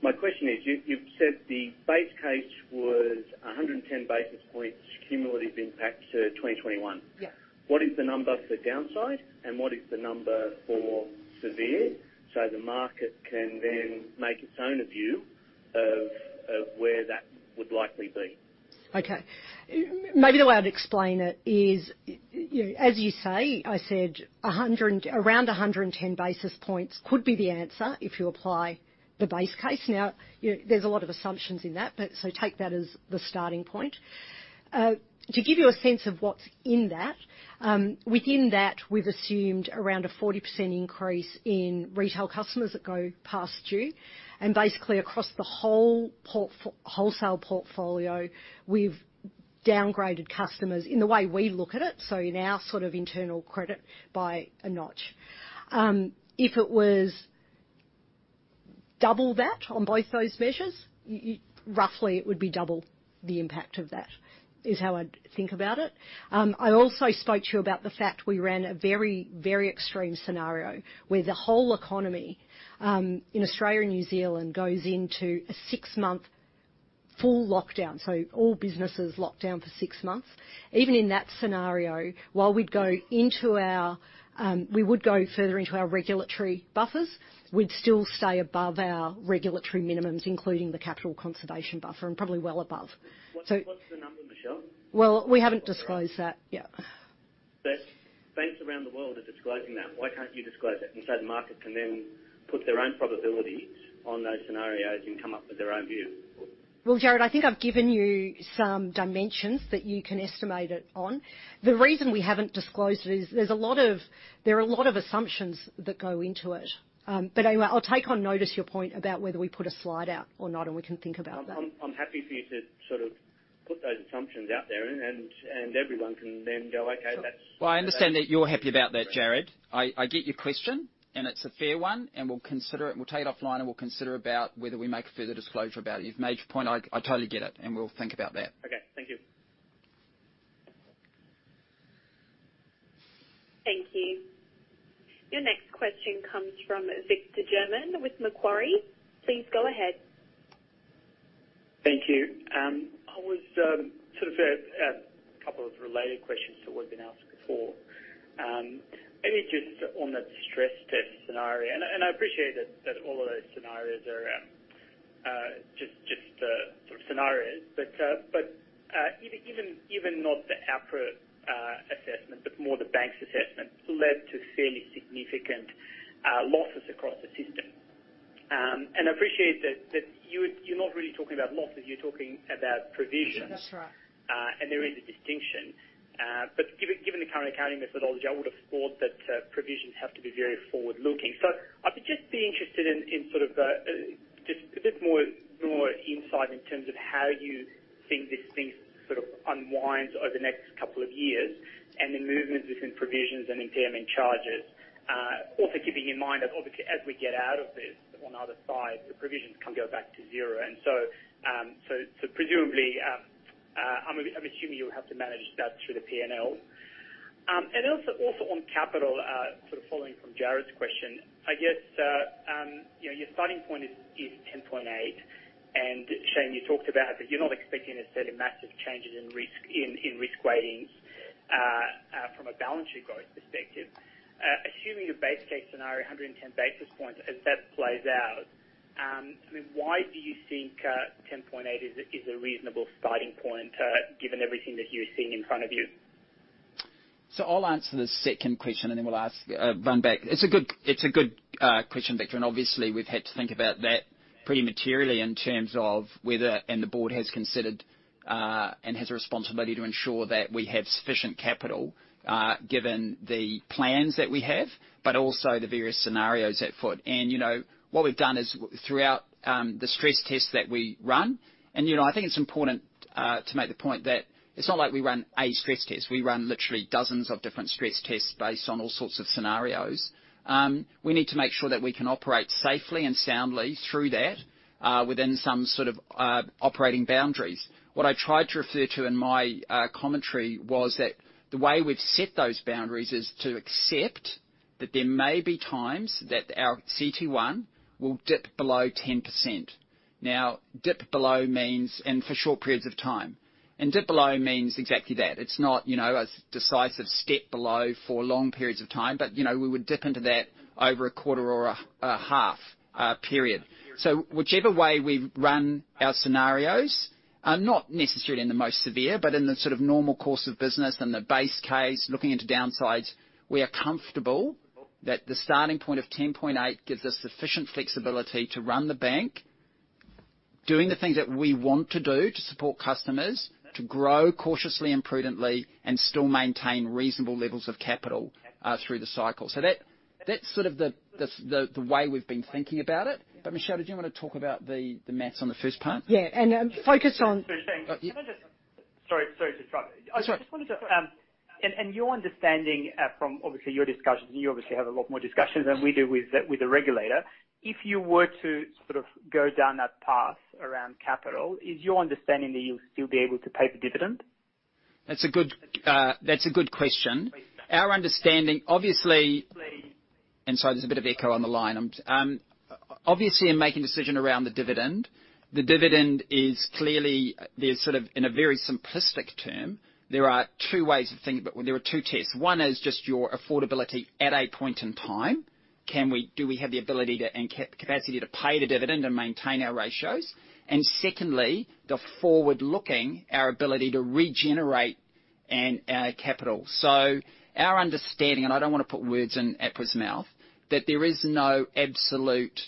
S9: My question is, you've said the base case was 110 basis points cumulative impact to 2021. What is the number for downside? And what is the number for severe? So the market can then make its own view of where that would likely be.
S4: Okay. Maybe the way I'd explain it is, as you say, I said around 110 basis points could be the answer if you apply the base case. Now, there's a lot of assumptions in that, so take that as the starting point. To give you a sense of what's in that, within that, we've assumed around a 40% increase in retail customers that go past due, and basically, across the whole wholesale portfolio, we've downgraded customers in the way we look at it, so in our sort of internal credit by a notch. If it was double that on both those measures, roughly, it would be double the impact of that, is how I'd think about it. I also spoke to you about the fact we ran a very, very extreme scenario where the whole economy in Australia and New Zealand goes into a six-month full lockdown, so all businesses locked down for six months. Even in that scenario, while we'd go further into our regulatory buffers, we'd still stay above our regulatory minimums, including the capital conservation buffer, and probably well above.
S9: What's the number, Michelle? We haven't disclosed that yet.
S4: Banks around the world are disclosing that. Why can't you disclose it? And so the market can then put their own probabilities on those scenarios and come up with their own view. Jared, I think I've given you some dimensions that you can estimate it on. The reason we haven't disclosed it is there are a lot of assumptions that go into it. Anyway, I'll take on notice your point about whether we put a slide out or not, and we can think about that.
S9: I'm happy for you to sort of put those assumptions out there, and everyone can then go, "Okay, that's fine."
S3: Well, I understand that you're happy about that, Jarrod. I get your question, and it's a fair one, and we'll consider it. We'll take it offline, and we'll consider about whether we make a further disclosure about it. You've made your point. I totally get it, and we'll think about that.
S9: Okay. Thank you.
S1: Thank you. Your next question comes from Victor German with Macquarie. Please go ahead.
S10: Thank you. I was sort of a couple of related questions to what had been asked before. Maybe just on that stress test scenario, and I appreciate that all of those scenarios are just sort of scenarios, but even not the APRA assessment, but more the banks' assessment, led to fairly significant losses across the system. I appreciate that you're not really talking about losses. You're talking about provisions. That's right. And there is a distinction. But given the current accounting methodology, I would have thought that provisions have to be very forward-looking. So I'd just be interested in sort of just a bit more insight in terms of how you think this thing sort of unwinds over the next couple of years and the movements within provisions and impairment charges. Also keeping in mind that, obviously, as we get out of this on the other side, the provisions can go back to zero. And so presumably, I'm assuming you'll have to manage that through the P&L. And also on capital, sort of following from Jared's question, I guess your starting point is 10.8. And Shayne, you talked about that you're not expecting necessarily massive changes in risk weightings from a balance sheet growth perspective. Assuming your base case scenario, 110 basis points, as that plays out, I mean, why do you think 10.8 is a reasonable starting point given everything that you're seeing in front of you?
S3: So I'll answer the second question, and then we'll run back. It's a good question, Victor. And obviously, we've had to think about that pretty materially in terms of whether the board has considered and has a responsibility to ensure that we have sufficient capital given the plans that we have, but also the various scenarios afoot. And what we've done is, throughout the stress tests that we run, and I think it's important to make the point that it's not like we run a stress test. We run literally dozens of different stress tests based on all sorts of scenarios. We need to make sure that we can operate safely and soundly through that within some sort of operating boundaries. What I tried to refer to in my commentary was that the way we've set those boundaries is to accept that there may be times that our CET1 will dip below 10%. Now, dip below means, and for short periods of time, and dip below means exactly that. It's not a decisive step below for long periods of time, but we would dip into that over a quarter or a half period. So whichever way we run our scenarios, not necessarily in the most severe, but in the sort of normal course of business and the base case, looking into downsides, we are comfortable that the starting point of 10.8 gives us sufficient flexibility to run the bank, doing the things that we want to do to support customers, to grow cautiously and prudently, and still maintain reasonable levels of capital through the cycle. So that's sort of the way we've been thinking about it. But Michelle, did you want to talk about the math on the first part?
S4: Yeah. And focus on.
S10: Sorry to interrupt. And your understanding from, obviously, your discussions, and you obviously have a lot more discussions than we do with the regulator, if you were to sort of go down that path around capital, is your understanding that you'll still be able to pay the dividend?
S3: That's a good question. Our understanding, obviously, and sorry, there's a bit of echo on the line, obviously, in making a decision around the dividend, the dividend is clearly, sort of in a very simplistic term, there are two ways of thinking about it. There are two tests. One is just your affordability at a point in time. Do we have the ability and capacity to pay the dividend and maintain our ratios? And secondly, the forward-looking, our ability to regenerate our capital. So our understanding, and I don't want to put words in APRA's mouth, that there is no absolute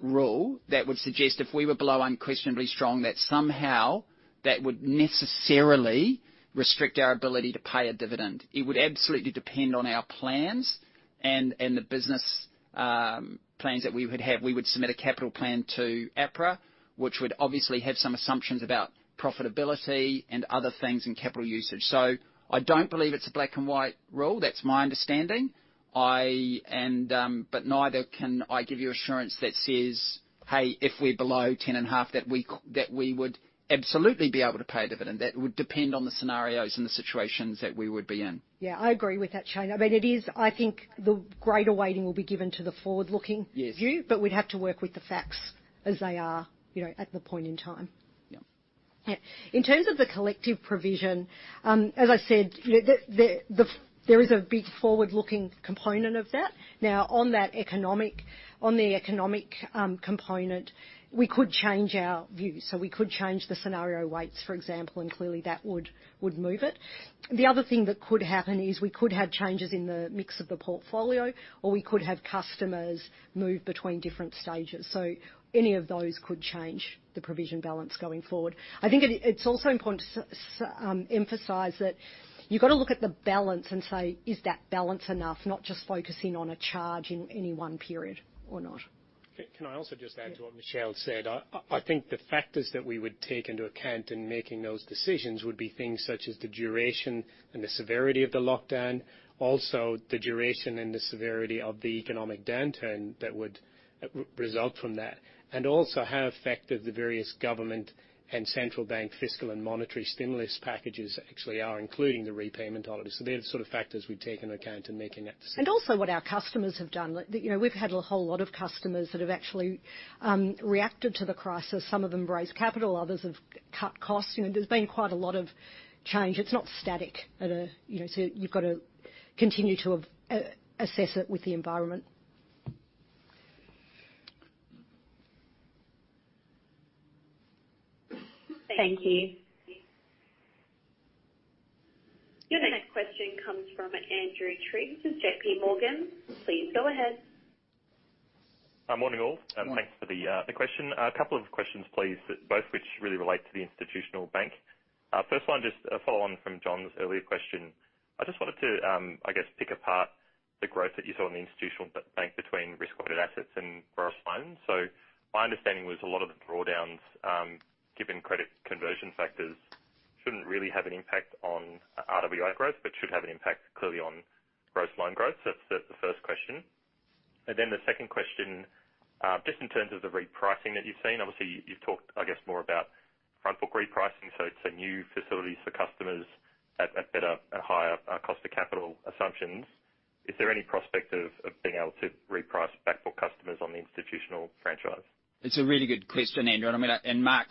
S3: rule that would suggest if we were below Unquestionably Strong that somehow that would necessarily restrict our ability to pay a dividend. It would absolutely depend on our plans and the business plans that we would have. We would submit a capital plan to APRA, which would obviously have some assumptions about profitability and other things and capital usage. So I don't believe it's a black-and-white rule. That's my understanding. But neither can I give you assurance that says, "Hey, if we're below 10.5, that we would absolutely be able to pay a dividend." That would depend on the scenarios and the situations that we would be in.
S4: Yeah. I agree with that, Shayne. I mean, it is, I think, the greater weighting will be given to the forward-looking view, but we'd have to work with the facts as they are at the point in time. In terms of the collective provision, as I said, there is a big forward-looking component of that. Now, on the economic component, we could change our view. So we could change the scenario weights, for example, and clearly that would move it. The other thing that could happen is we could have changes in the mix of the portfolio, or we could have customers move between different stages. So any of those could change the provision balance going forward. I think it's also important to emphasize that you've got to look at the balance and say, "Is that balance enough?" Not just focusing on a charge in any one period or not.
S6: Can I also just add to what Michelle said? I think the factors that we would take into account in making those decisions would be things such as the duration and the severity of the lockdown, also the duration and the severity of the economic downturn that would result from that, and also how effective the various government and central bank fiscal and monetary stimulus packages actually are, including the repayment holiday. So they're the sort of factors we'd take into account in making that decision,
S4: And also what our customers have done. We've had a whole lot of customers that have actually reacted to the crisis. Some of them raised capital. Others have cut costs. There's been quite a lot of change. It's not static at all, so you've got to continue to assess it with the environment.
S1: Thank you. Your next question comes from Andrew Triggs of JPMorgan. Please go ahead.
S11: Morning all. Thanks for the question. A couple of questions, please, both of which really relate to the institutional bank. First one, just a follow-on from John's earlier question. I just wanted to, I guess, pick apart the growth that you saw in the institutional bank between risk-weighted assets and gross loans. So my understanding was a lot of the drawdowns given credit conversion factors shouldn't really have an impact on RWA growth, but should have an impact clearly on gross loan growth. So that's the first question. And then the second question, just in terms of the repricing that you've seen, obviously, you've talked, I guess, more about front-book repricing, so it's new facilities for customers at better and higher cost of capital assumptions. Is there any prospect of being able to reprice back-book customers on the institutional franchise?
S3: It's a really good question, Andrew. Mark,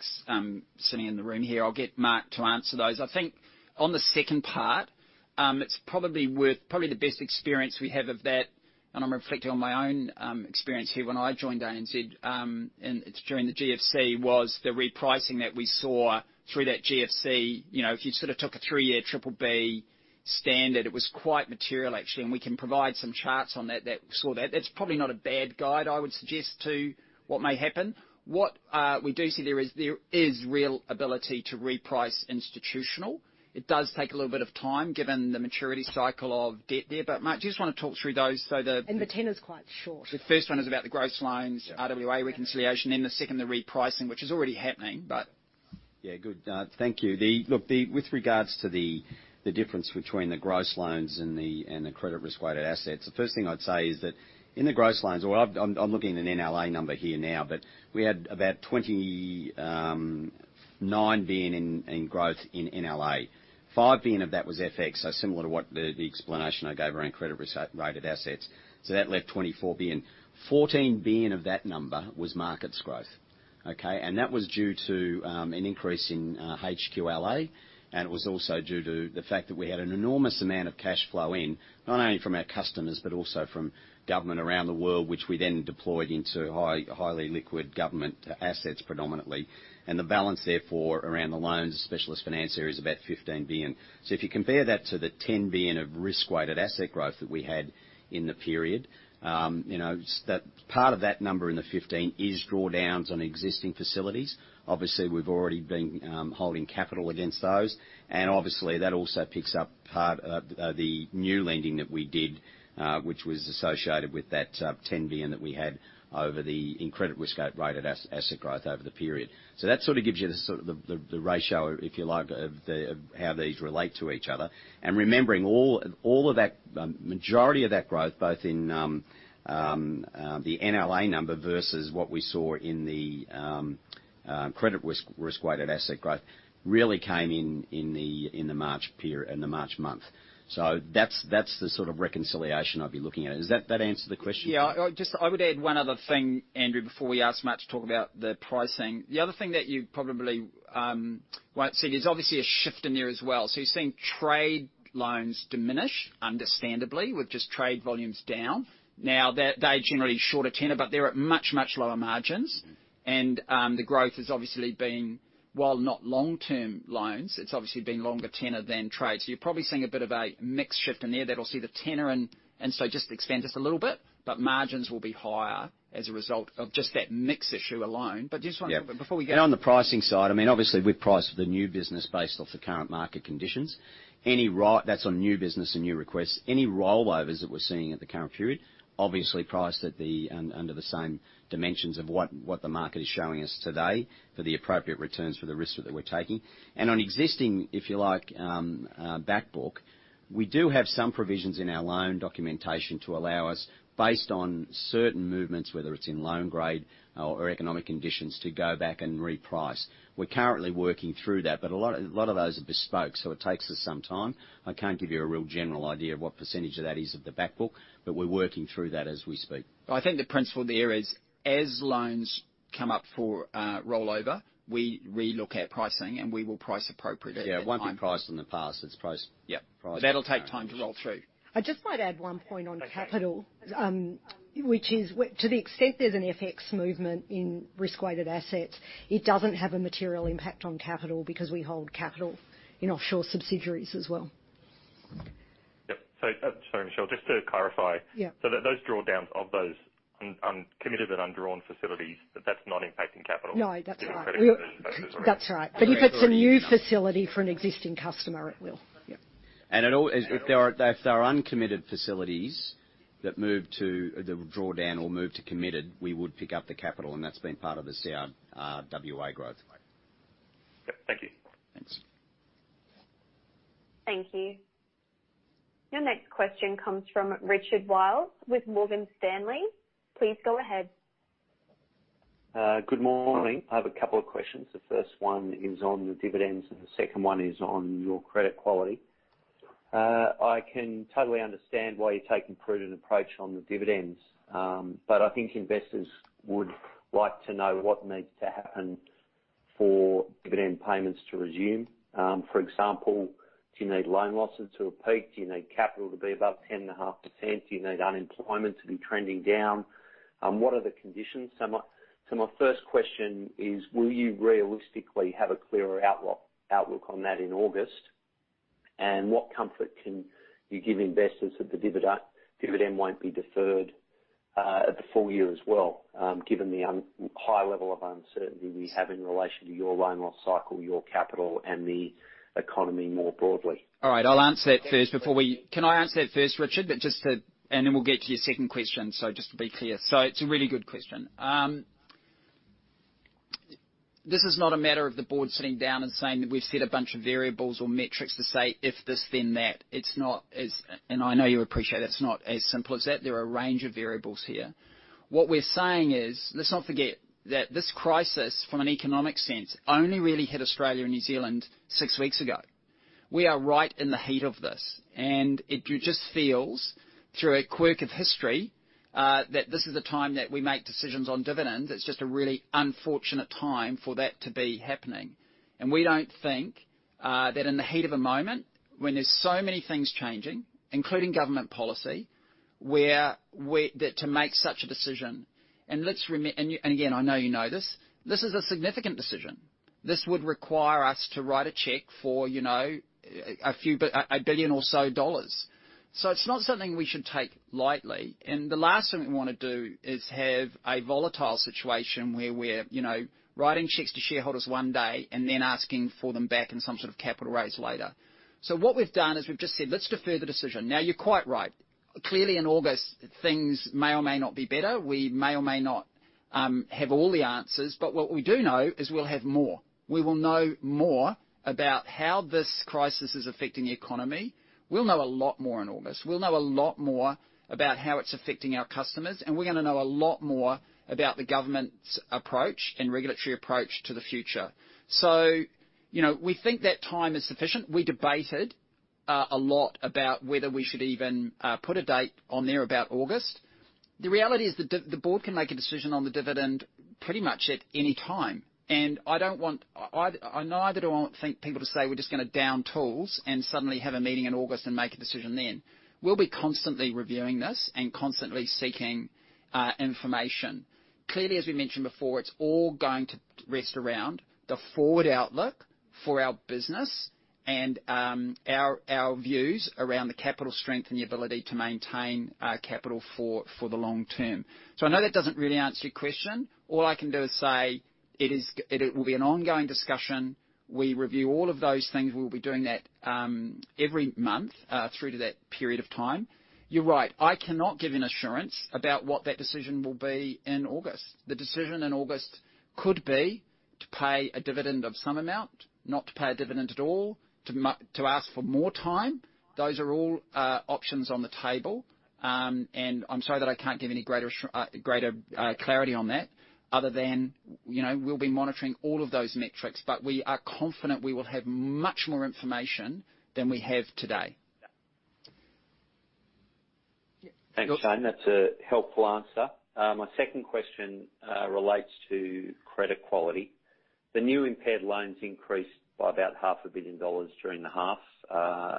S3: sitting in the room here, I'll get Mark to answer those. I think on the second part, it's probably the best experience we have of that, and I'm reflecting on my own experience here when I joined ANZ, and it's during the GFC, was the repricing that we saw through that GFC. If you sort of took a three-year triple-B standard, it was quite material, actually, and we can provide some charts on that that saw that. That's probably not a bad guide, I would suggest, to what may happen. What we do see there is real ability to reprice institutional. It does take a little bit of time given the maturity cycle of debt there. But Mark, do you just want to talk through those so the - and the tenor is quite short. The first one is about the gross loans, RWA reconciliation, then the second, the repricing, which is already happening, but.
S6: Yeah. Good. Thank you. Look, with regards to the difference between the gross loans and the credit risk-weighted assets, the first thing I'd say is that in the gross loans, or I'm looking at an NLA number here now, but we had about 29 billion in growth in NLA. 5 billion of that was FX, so similar to what the explanation I gave around credit risk-weighted assets. So that left 24 billion. 14 billion of that number was markets growth, okay? And that was due to an increase in HQLA, and it was also due to the fact that we had an enormous amount of cash flow in, not only from our customers but also from government around the world, which we then deployed into highly liquid government assets predominantly. The balance therefore around the loans, the specialist financier is about 15 billion. If you compare that to the 10 billion of risk-weighted asset growth that we had in the period, part of that number in the 15 is drawdowns on existing facilities. Obviously, we've already been holding capital against those. Obviously, that also picks up part of the new lending that we did, which was associated with that 10 billion that we had over the credit risk-weighted asset growth over the period. That sort of gives you the ratio, if you like, of how these relate to each other. Remembering, all of that, majority of that growth, both in the NLA number versus what we saw in the credit risk-weighted asset growth, really came in the March month. That's the sort of reconciliation I'd be looking at. Does that answer the question?
S3: Yeah. I would add one other thing, Andrew, before we ask Mark to talk about the pricing. The other thing that you probably won't see is obviously a shift in there as well. So you're seeing trade loans diminish, understandably, with just trade volumes down. Now, they're generally shorter tenor, but they're at much, much lower margins. And the growth has obviously been, while not long-term loans, it's obviously been longer tenor than trade. So you're probably seeing a bit of a mixed shift in there that'll see the tenor and so just expand just a little bit, but margins will be higher as a result of just that mix issue alone. But just wanted to note before we get, and on the pricing side, I mean, obviously, we've priced the new business based off the current market conditions. That's on new business and new requests. Any rollovers that we're seeing at the current period, obviously priced under the same dimensions of what the market is showing us today for the appropriate returns for the risk that we're taking, and on existing, if you like, back-book, we do have some provisions in our loan documentation to allow us, based on certain movements, whether it's in loan grade or economic conditions, to go back and reprice. We're currently working through that, but a lot of those are bespoke, so it takes us some time. I can't give you a real general idea of what percentage of that is of the back-book, but we're working through that as we speak. I think the principle there is, as loans come up for rollover, we re-look at pricing, and we will price appropriately. Yeah. Once you've priced in the past, it's priced. Yep. That'll take time to roll through.
S4: I just might add one point on capital, which is, to the extent there's an FX movement in risk-weighted assets, it doesn't have a material impact on capital because we hold capital in offshore subsidiaries as well.
S11: Yep. Sorry, Michelle. Just to clarify, so those drawdowns of those uncommitted and undrawn facilities, that's not impacting capital?
S4: No, that's right. That's right. But if it's a new facility for an existing customer, it will.
S3: Yep. And if there are uncommitted facilities that move to either drawdown or move to committed, we would pick up the capital, and that's been part of the CRWA growth.
S11: Yep. Thank you.
S1: Thanks. Thank you. Your next question comes from Richard Wiles with Morgan Stanley. Please go ahead.
S12: Good morning. I have a couple of questions. The first one is on the dividends, and the second one is on your credit quality. I can totally understand why you're taking prudent approach on the dividends, but I think investors would like to know what needs to happen for dividend payments to resume. For example, do you need loan losses to a peak? Do you need capital to be above 10.5%? Do you need unemployment to be trending down? What are the conditions? So my first question is, will you realistically have a clearer outlook on that in August? And what comfort can you give investors that the dividend won't be deferred at the full year as well, given the high level of uncertainty we have in relation to your loan loss cycle, your capital, and the economy more broadly?
S4: All right. I'll answer that first before we, can I answer that first, Richard? And then we'll get to your second question, so just to be clear. So it's a really good question. This is not a matter of the board sitting down and saying that we've set a bunch of variables or metrics to say, "If this, then that." And I know you appreciate that. It's not as simple as that. There are a range of variables here. What we're saying is, let's not forget that this crisis, from an economic sense, only really hit Australia and New Zealand six weeks ago. We are right in the heat of this. And it just feels, through a quirk of history, that this is a time that we make decisions on dividends. It's just a really unfortunate time for that to be happening. And we don't think that in the heat of a moment, when there's so many things changing, including government policy, when to make such a decision, and again, I know you know this, this is a significant decision. This would require us to write a check for a few billion or so dollars. So it's not something we should take lightly. And the last thing we want to do is have a volatile situation where we're writing checks to shareholders one day and then asking for them back in some sort of capital raise later. So what we've done is we've just said, "Let's defer the decision." Now, you're quite right. Clearly, in August, things may or may not be better. We may or may not have all the answers. But what we do know is we'll have more. We will know more about how this crisis is affecting the economy. We'll know a lot more in August. We'll know a lot more about how it's affecting our customers. And we're going to know a lot more about the government's approach and regulatory approach to the future. So we think that time is sufficient. We debated a lot about whether we should even put a date on there about August. The reality is that the board can make a decision on the dividend pretty much at any time. And neither do I want people to say, "We're just going to down tools and suddenly have a meeting in August and make a decision then." We'll be constantly reviewing this and constantly seeking information. Clearly, as we mentioned before, it's all going to rest around the forward outlook for our business and our views around the capital strength and the ability to maintain capital for the long term. So I know that doesn't really answer your question. All I can do is say it will be an ongoing discussion. We review all of those things. We will be doing that every month through to that period of time. You're right. I cannot give an assurance about what that decision will be in August. The decision in August could be to pay a dividend of some amount, not to pay a dividend at all, to ask for more time. Those are all options on the table. And I'm sorry that I can't give any greater clarity on that other than we'll be monitoring all of those metrics. But we are confident we will have much more information than we have today.
S12: Thanks, Shayne. That's a helpful answer. My second question relates to credit quality. The new impaired loans increased by about 500 million dollars during the half.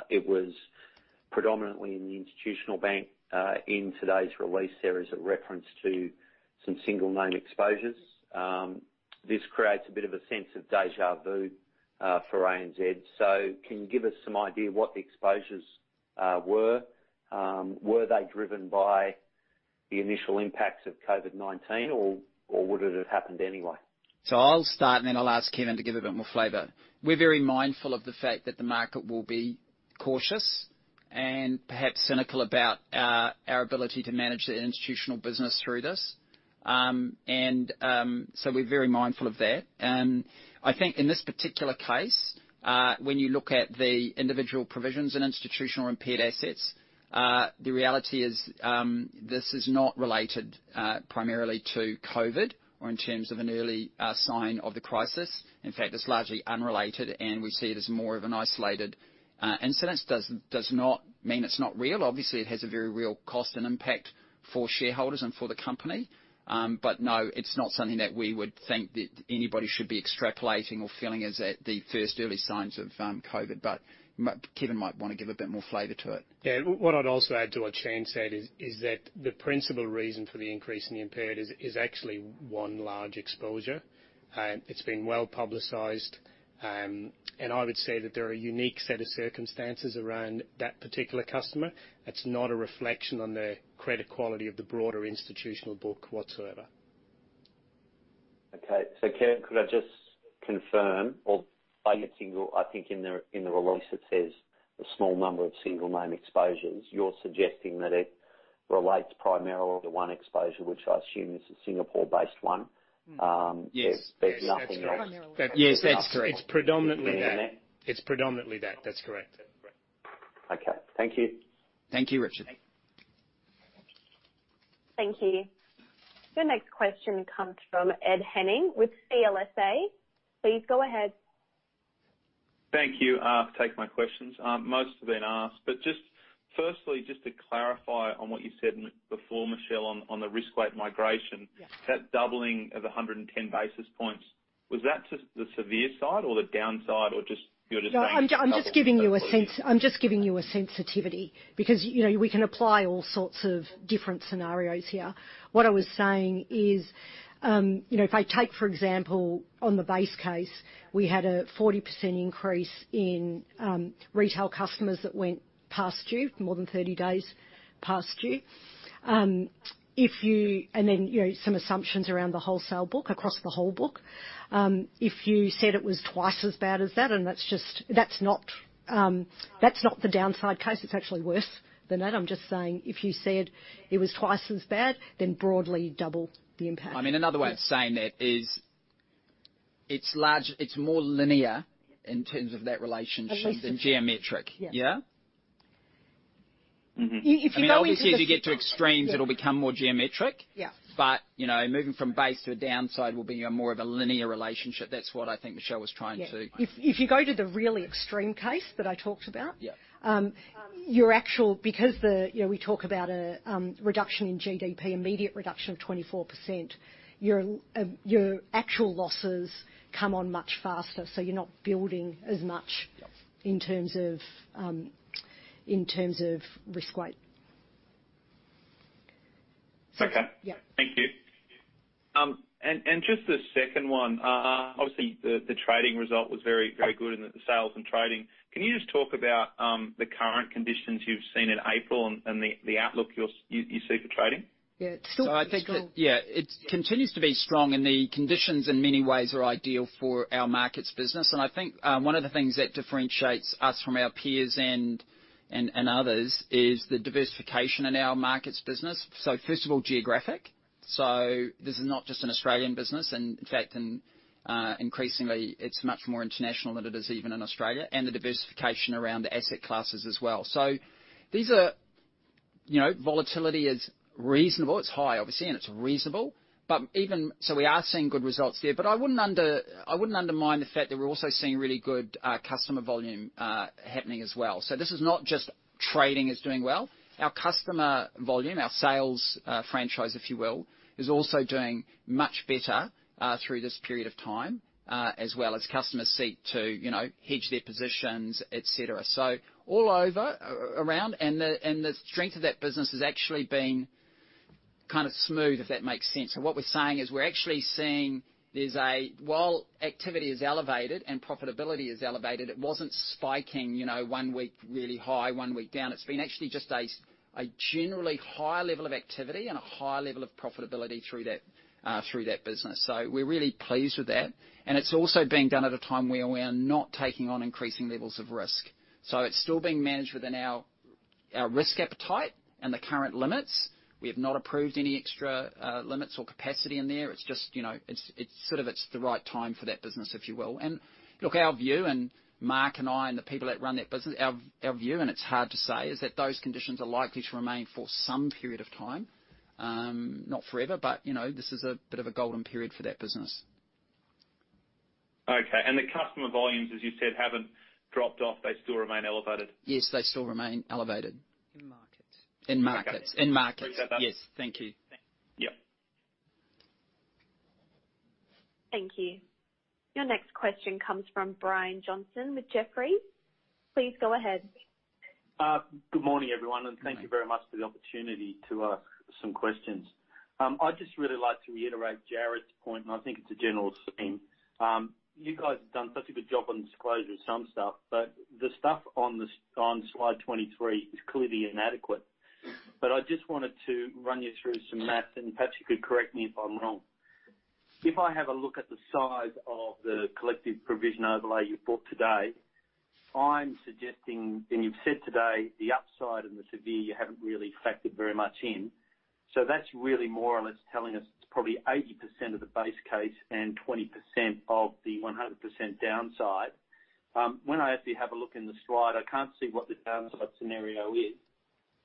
S12: It was predominantly in the institutional bank. In today's release, there is a reference to some single-name exposures. This creates a bit of a sense of déjà vu for ANZ. So can you give us some idea what the exposures were? Were they driven by the initial impacts of COVID-19, or would it have happened anyway?
S3: So I'll start, and then I'll ask Kevin to give a bit more flavor. We're very mindful of the fact that the market will be cautious and perhaps cynical about our ability to manage the institutional business through this. And so we're very mindful of that. And I think in this particular case, when you look at the individual provisions and institutional impaired assets, the reality is this is not related primarily to COVID or in terms of an early sign of the crisis. In fact, it's largely unrelated, and we see it as more of an isolated incident. It does not mean it's not real. Obviously, it has a very real cost and impact for shareholders and for the company. But no, it's not something that we would think that anybody should be extrapolating or feeling as the first early signs of COVID. But Kevin might want to give a bit more flavor to it.
S8: Yeah. What I'd also add to what Shayne said is that the principal reason for the increase in the impaired is actually one large exposure. It's been well publicised. And I would say that there are a unique set of circumstances around that particular customer. It's not a reflection on the credit quality of the broader institutional book whatsoever.
S12: Okay. So Kevin, could I just confirm? Or I think in the release it says a small number of single-name exposures. You're suggesting that it relates primarily to one exposure, which I assume is a Singapore-based one.
S3: Yes. But nothing else. Yes, that's predominantly that. It's predominantly that. That's correct.
S12: Okay. Thank you.
S3: Thank you, Richard.
S1: Thank you. Your next question comes from Ed Henning with CLSA. Please go ahead.
S13: Thank you for taking my questions. Most have been asked. But firstly, just to clarify on what you said before, Michelle, on the risk-weight migration, that doubling of 110 basis points, was that the severe side or the downside or just you were just saying?
S4: No, I'm just giving you a sensitivity because we can apply all sorts of different scenarios here. What I was saying is if I take, for example, on the base case, we had a 40% increase in retail customers that went past due, more than 30 days past due. And then some assumptions around the wholesale book, across the whole book. If you said it was twice as bad as that, and that's not the downside case. It's actually worse than that. I'm just saying if you said it was twice as bad, then broadly double the impact.
S3: I mean, another way of saying that is it's more linear in terms of that relationship than geometric. Yeah? As long as you get to extremes, it'll become more geometric. But moving from base to a downside will be more of a linear relationship. That's what I think Michelle was trying to.
S4: Yeah. If you go to the really extreme case that I talked about, because we talk about a reduction in GDP, immediate reduction of 24%, your actual losses come on much faster. So you're not building as much in terms of risk weight.
S13: Okay. Thank you. Just the second one, obviously, the trading result was very good in the sales and trading. Can you just talk about the current conditions you've seen in April and the outlook you see for trading? Yeah. It's still.
S3: Yeah. It continues to be strong, and the conditions in many ways are ideal for our markets business. And I think one of the things that differentiates us from our peers and others is the diversification in our markets business. So first of all, geographic. So this is not just an Australian business. And in fact, increasingly, it's much more international than it is even in Australia. And the diversification around the asset classes as well. So volatility is reasonable. It's high, obviously, and it's reasonable. So we are seeing good results there. But I wouldn't undermine the fact that we're also seeing really good customer volume happening as well. So this is not just trading is doing well. Our customer volume, our sales franchise, if you will, is also doing much better through this period of time, as well as customers seek to hedge their positions, etc. So all over around, and the strength of that business has actually been kind of smooth, if that makes sense. And what we're saying is we're actually seeing there's a, while activity is elevated and profitability is elevated, it wasn't spiking one week really high, one week down. It's been actually just a generally high level of activity and a high level of profitability through that business. So we're really pleased with that. And it's also being done at a time where we are not taking on increasing levels of risk. So it's still being managed within our risk appetite and the current limits. We have not approved any extra limits or capacity in there. It's just sort of the right time for that business, if you will, and look, our view, and Mark and I and the people that run that business, our view, and it's hard to say, is that those conditions are likely to remain for some period of time. Not forever, but this is a bit of a golden period for that business.
S13: Okay. And the customer volumes, as you said, haven't dropped off. They still remain elevated?
S3: Yes, they still remain elevated. In markets. In markets. In markets. Yes. Thank you. Yep.
S1: Thank you. Your next question comes from Brian Johnson with Jefferies. Please go ahead.
S14: Good morning, everyone, and thank you very much for the opportunity to ask some questions. I'd just really like to reiterate Jared's point, and I think it's a general theme. You guys have done such a good job on disclosure of some stuff, but the stuff on slide 23 is clearly inadequate. But I just wanted to run you through some math, and perhaps you could correct me if I'm wrong. If I have a look at the size of the collective provision overlay you've brought today, I'm suggesting, and you've said today, the upside and the severe you haven't really factored very much in. So that's really more or less telling us it's probably 80% of the base case and 20% of the 100% downside. When I actually have a look in the slide, I can't see what the downside scenario is.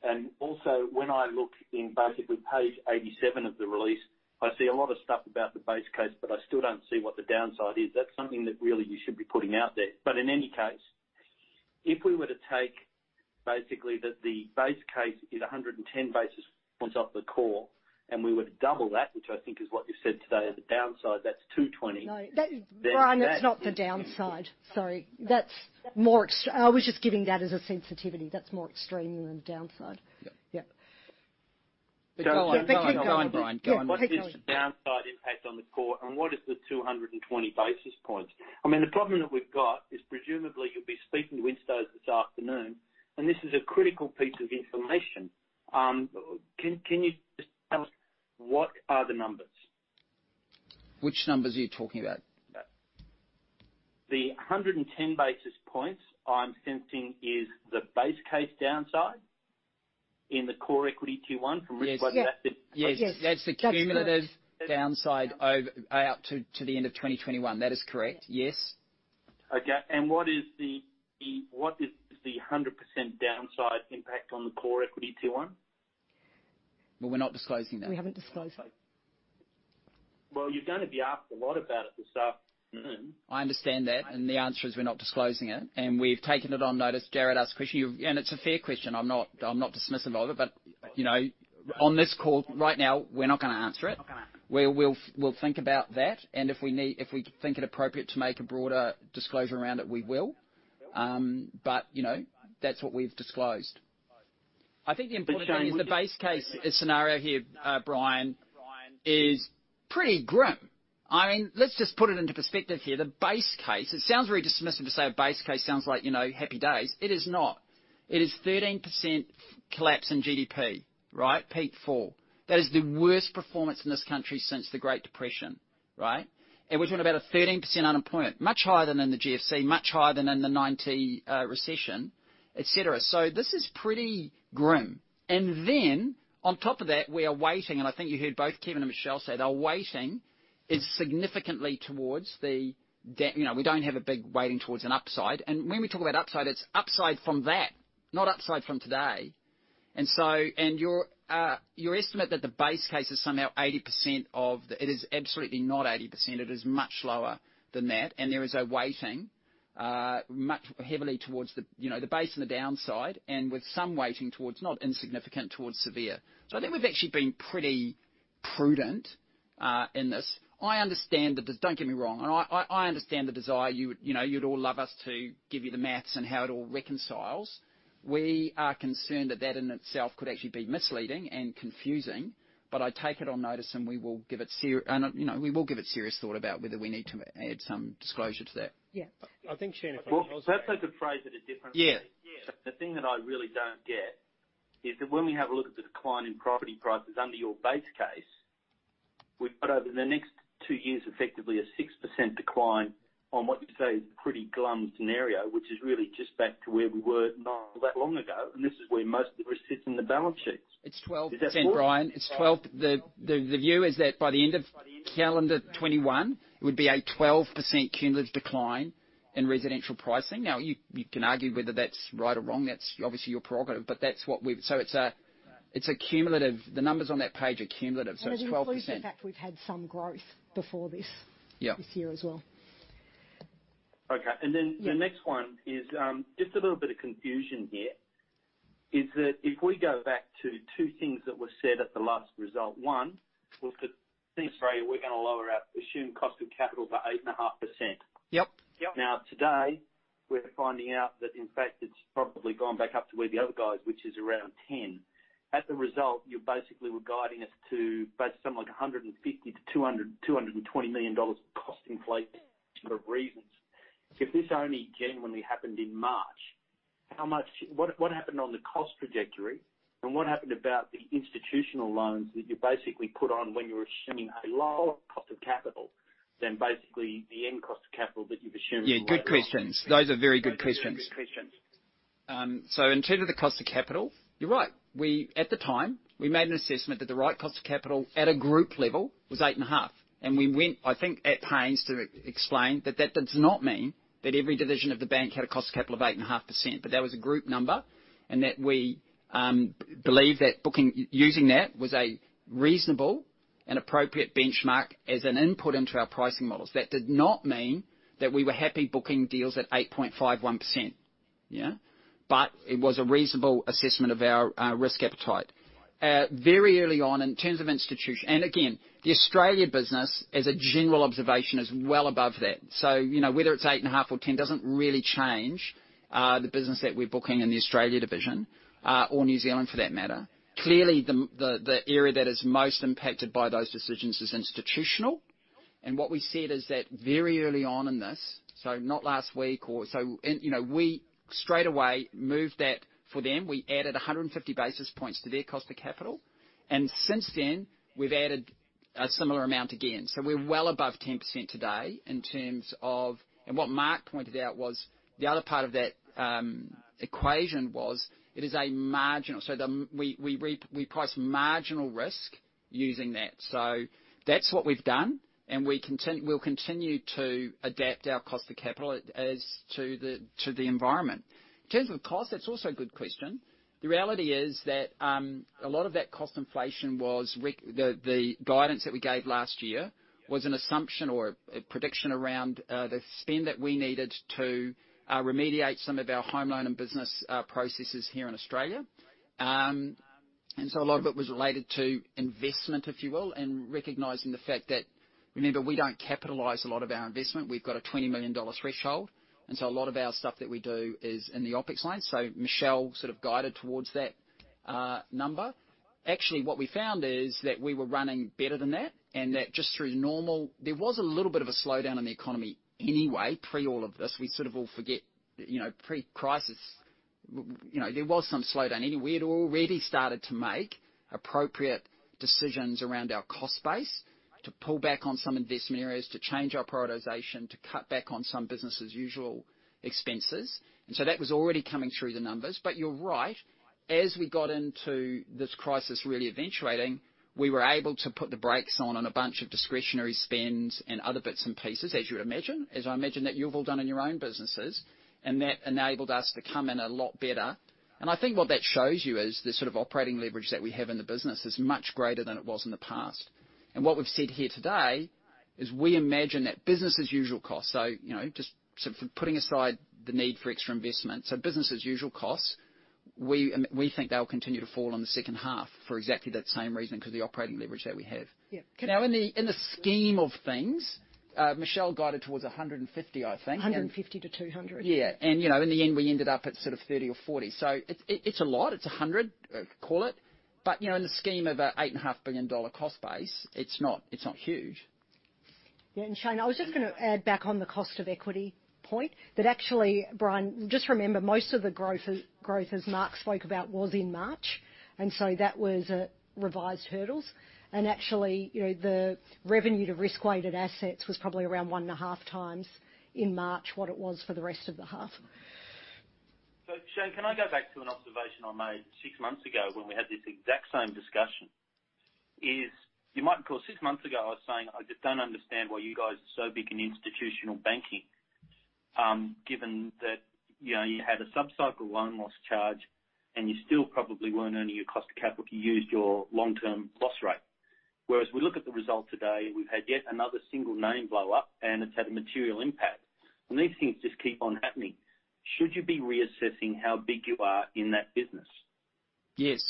S14: And also, when I look in basically page 87 of the release, I see a lot of stuff about the base case, but I still don't see what the downside is. That's something that really you should be putting out there. But in any case, if we were to take basically that the base case is 110 basis points off the core, and we would double that, which I think is what you said today, the downside, that's 220.
S4: No, Brian, that's not the downside. Sorry. I was just giving that as a sensitivity. That's more extreme than the downside.
S3: Yep. Go on, Brian. Go on, Brian.
S14: What is the downside impact on the core? And what is the 220 basis points? I mean, the problem that we've got is presumably you'll be speaking to Winston this afternoon, and this is a critical piece of information. Can you just tell us what are the numbers? Which numbers are you talking about? The 110 basis points, I'm sensing, is the base case downside in the core equity T1 from risk-weighted assets?
S3: Yes. Yes. That's the cumulative downside out to the end of 2021. That is correct. Yes.
S14: Okay. And what is the 100% downside impact on the core equity T1?
S3: Well, we're not disclosing that. We haven't disclosed it.
S14: Well, you're going to be asked a lot about it this afternoon.
S3: I understand that. And the answer is we're not disclosing it. And we've taken it on notice. Jared asked a question. And it's a fair question. I'm not dismissive of it. But on this call right now, we're not going to answer it. We'll think about that. And if we think it appropriate to make a broader disclosure around it, we will. But that's what we've disclosed. I think the important thing is the base case scenario here, Brian, is pretty grim. I mean, let's just put it into perspective here. The base case, it sounds very dismissive to say a base case sounds like happy days. It is not. It is 13% collapse in GDP, right? Peak four. That is the worst performance in this country since the Great Depression, right, and we're talking about a 13% unemployment, much higher than the GFC, much higher than the '90 recession, etc. So this is pretty grim, and then on top of that, we are weighting, and I think you heard both Kevin and Michelle say, they're weighting significantly towards the. We don't have a big weighting towards an upside, when we talk about upside, it's upside from that, not upside from today. Your estimate that the base case is somehow 80% of it is absolutely not 80%. It is much lower than that. And there is a weighting much heavily towards the base and the downside, and with some weighting towards not insignificant towards severe. So I think we've actually been pretty prudent in this. I understand that, don't get me wrong, I understand the desire you'd all love us to give you the math and how it all reconciles. We are concerned that that in itself could actually be misleading and confusing. But I take it on notice, and we will give it, we will give it serious thought about whether we need to add some disclosure to that.
S14: Yeah. I think Shayne has been closer. That's a good phrase at a different point. Yeah. The thing that I really don't get is that when we have a look at the decline in property prices under your base case, we've got over the next two years effectively a 6% decline on what you say is a pretty glum scenario, which is really just back to where we were not that long ago, and this is where most of the risk sits in the balance sheets.
S3: Is that 12%, Brian? The view is that by the end of calendar 2021, it would be a 12% cumulative decline in residential pricing. Now, you can argue whether that's right or wrong. That's obviously your prerogative, but that's what we've, so it's a cumulative. The numbers on that page are cumulative. So it's 12%, and as always, in fact, we've had some growth before this year as well. Okay. And then the next one is just a little bit of confusion here, is that if we go back to two things that were said at the last result, one, we'll say, "Thank you, Maria. We're going to lower our assumed cost of capital by 8.5%." Now, today, we're finding out that in fact, it's probably gone back up to where the other guys, which is around 10. At the result, you basically were guiding us to something like $150-$220 million cost inflation for reasons. If this only genuinely happened in March, what happened on the cost trajectory? And what happened about the institutional loans that you basically put on when you're assuming a lower cost of capital than basically the end cost of capital that you've assumed? Yeah. Good questions. Those are very good questions. So in terms of the cost of capital, you're right. At the time, we made an assessment that the right cost of capital at a group level was 8.5%. And we went, I think, at pains to explain that that does not mean that every division of the bank had a cost of capital of 8.5%. But that was a group number, and that we believe that using that was a reasonable and appropriate benchmark as an input into our pricing models. That did not mean that we were happy booking deals at 8.51%. Yeah, but it was a reasonable assessment of our risk appetite. Very early on, in terms of institutional, and again, the Australia business, as a general observation, is well above that. So whether it's 8.5% or 10% doesn't really change the business that we're booking in the Australia division, or New Zealand for that matter. Clearly, the area that is most impacted by those decisions is institutional. What we said is that very early on in this, so not last week or so, we straightaway moved that for them. We added 150 basis points to their cost of capital. And since then, we've added a similar amount again. So we're well above 10% today in terms of, and what Mark pointed out was the other part of that equation was it is a marginal. So we price marginal risk using that. So that's what we've done. And we'll continue to adapt our cost of capital as to the environment. In terms of cost, that's also a good question. The reality is that a lot of that cost inflation was the guidance that we gave last year was an assumption or a prediction around the spend that we needed to remediate some of our home loan and business processes here in Australia. A lot of it was related to investment, if you will, and recognizing the fact that, remember, we don't capitalize a lot of our investment. We've got an 20 million dollar threshold. A lot of our stuff that we do is in the OPEX line. Michelle sort of guided towards that number. Actually, what we found is that we were running better than that, and that just through normal, there was a little bit of a slowdown in the economy anyway pre all of this. We sort of all forget pre-crisis. There was some slowdown anyway. We had already started to make appropriate decisions around our cost base to pull back on some investment areas, to change our prioritization, to cut back on some business-as-usual expenses. That was already coming through the numbers. You're right. As we got into this crisis really eventuating, we were able to put the brakes on a bunch of discretionary spends and other bits and pieces, as you would imagine, as I imagine that you've all done in your own businesses. And that enabled us to come in a lot better. And I think what that shows you is the sort of operating leverage that we have in the business is much greater than it was in the past. And what we've said here today is we imagine that business-as-usual costs, so just putting aside the need for extra investment, so business-as-usual costs, we think they'll continue to fall in the second half for exactly that same reason because of the operating leverage that we have. Now, in the scheme of things, Michelle guided towards 150, I think. 150-200. Yeah. In the end, we ended up at sort of 30 or 40. So it's a lot. It's 100, call it. But in the scheme of an 8.5 billion dollar cost base, it's not huge.
S4: Yeah. And Shayne, I was just going to add back on the cost of equity point that actually, Brian, just remember most of the growth as Mark spoke about was in March. And so that was revised hurdles. And actually, the revenue to risk-weighted assets was probably around one and a half times in March what it was for the rest of the half.
S14: So Shayne, can I go back to an observation I made six months ago when we had this exact same discussion? You might recall six months ago I was saying, "I just don't understand why you guys are so big in institutional banking, given that you had a sub-cycle loan loss charge, and you still probably weren't earning your cost of capital if you used your long-term loss rate." Whereas we look at the result today, we've had yet another single name blow up, and it's had a material impact. And these things just keep on happening. Should you be reassessing how big you are in that business?
S3: Yes.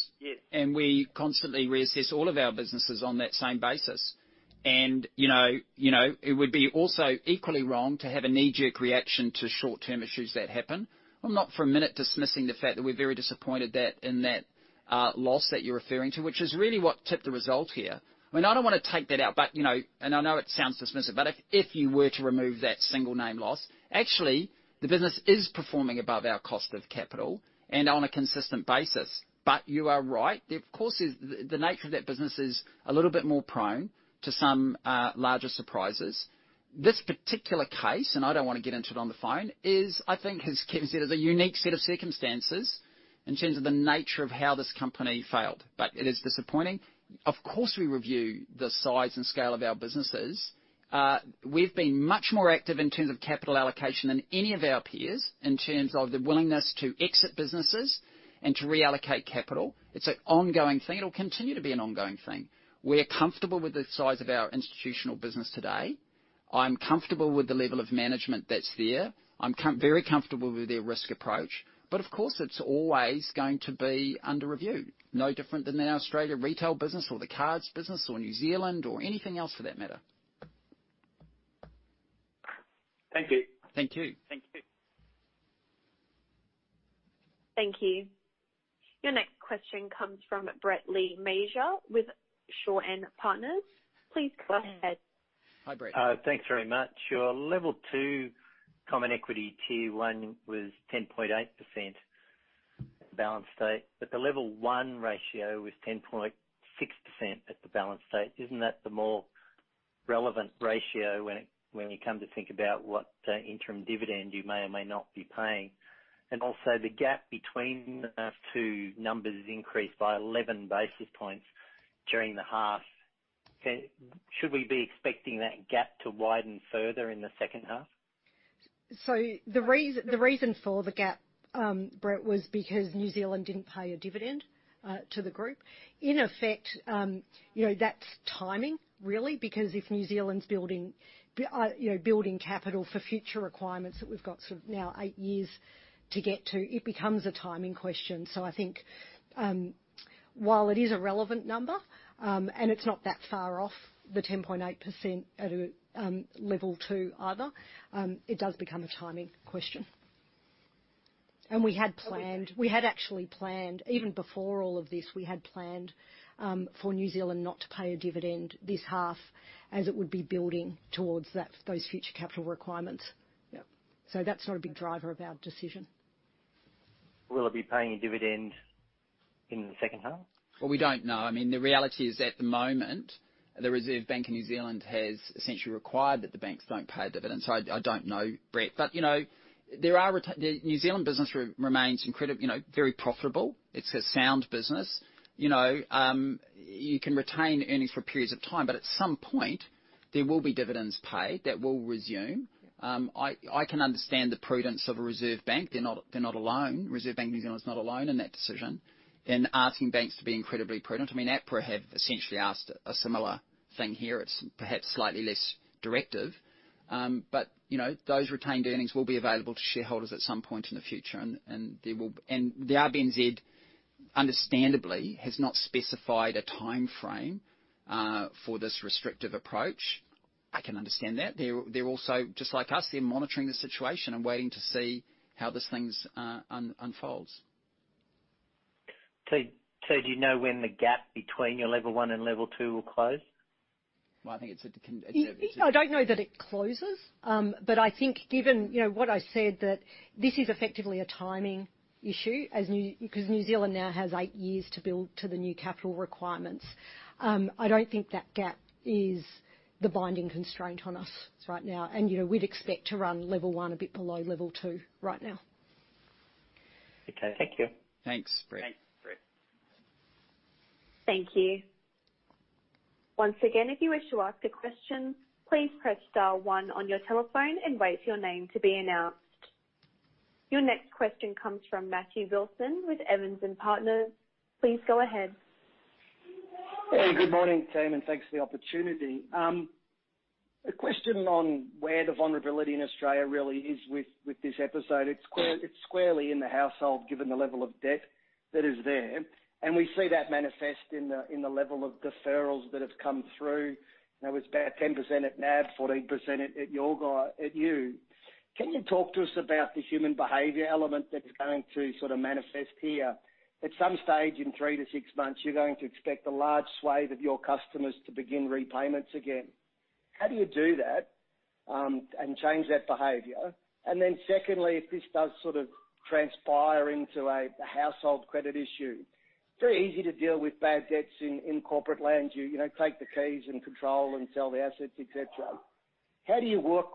S3: And we constantly reassess all of our businesses on that same basis. And it would be also equally wrong to have a knee-jerk reaction to short-term issues that happen. I'm not for a minute dismissing the fact that we're very disappointed in that loss that you're referring to, which is really what tipped the result here. I mean, I don't want to take that out, and I know it sounds dismissive, but if you were to remove that single name loss, actually, the business is performing above our cost of capital and on a consistent basis. But you are right. Of course, the nature of that business is a little bit more prone to some larger surprises. This particular case, and I don't want to get into it on the phone, is, I think, as Kevin said, it's a unique set of circumstances in terms of the nature of how this company failed. But it is disappointing. Of course, we review the size and scale of our businesses. We've been much more active in terms of capital allocation than any of our peers in terms of the willingness to exit businesses and to reallocate capital. It's an ongoing thing. It'll continue to be an ongoing thing. We're comfortable with the size of our institutional business today. I'm comfortable with the level of management that's there. I'm very comfortable with their risk approach. But of course, it's always going to be under review, no different than the Australia retail business or the cards business or New Zealand or anything else for that matter.
S14: Thank you.
S3: Thank you.
S1: Thank you. Thank you. Your next question comes from Brett Le Mesurier with Shaw and Partners. Please go ahead.
S3: Hi, Brett.
S15: Thanks very much. Your level two common equity tier one was 10.8% at the balance sheet. But the level one ratio was 10.6% at the balance sheet. Isn't that the more relevant ratio when you come to think about what interim dividend you may or may not be paying? And also, the gap between those two numbers increased by 11 basis points during the half. Should we be expecting that gap to widen further in the second half?
S4: So the reason for the gap, Brett, was because New Zealand didn't pay a dividend to the group. In effect, that's timing, really, because if New Zealand's building capital for future requirements that we've got sort of now eight years to get to, it becomes a timing question. So I think while it is a relevant number, and it's not that far off the 10.8% at a level two either, it does become a timing question. And we had actually planned even before all of this for New Zealand not to pay a dividend this half as it would be building towards those future capital requirements. Yeah. So that's not a big driver of our decision.
S15: Will it be paying a dividend in the second half?
S3: We don't know. I mean, the reality is at the moment, the Reserve Bank of New Zealand has essentially required that the banks don't pay dividends. So I don't know, Brett, but New Zealand business remains very profitable. It's a sound business. You can retain earnings for periods of time, but at some point, there will be dividends paid that will resume. I can understand the prudence of a Reserve Bank. They're not alone. Reserve Bank of New Zealand's not alone in that decision and asking banks to be incredibly prudent. I mean, APRA have essentially asked a similar thing here. It's perhaps slightly less directive, but those retained earnings will be available to shareholders at some point in the future. The RBNZ, understandably, has not specified a timeframe for this restrictive approach. I can understand that. They're also, just like us, they're monitoring the situation and waiting to see how this thing unfolds.
S4: So do you know when the gap between your level one and level two will close?
S15: Well, I think it's—I don't know that it closes. But I think given what I said, that this is effectively a timing issue because New Zealand now has eight years to build to the new capital requirements. I don't think that gap is the binding constraint on us right now. And we'd expect to run level one a bit below level two right now. Okay. Thank you.
S3: Thanks, Brett.
S1: Thank you. Once again, if you wish to ask a question, please press star one on your telephone and wait for your name to be announced. Your next question comes from Matthew Wilson with Evans & Partners. Please go ahead.
S16: Hey, good morning, Tim, and thanks for the opportunity. A question on where the vulnerability in Australia really is with this episode. It's squarely in the household given the level of debt that is there, and we see that manifest in the level of deferrals that have come through. There was about 10% at NAB, 14% at you. Can you talk to us about the human behavior element that's going to sort of manifest here? At some stage in three to six months, you're going to expect a large swathe of your customers to begin repayments again. How do you do that and change that behavior, and then secondly, if this does sort of transpire into a household credit issue, very easy to deal with bad debts in corporate land. You take the keys and control and sell the assets, etc. How do you work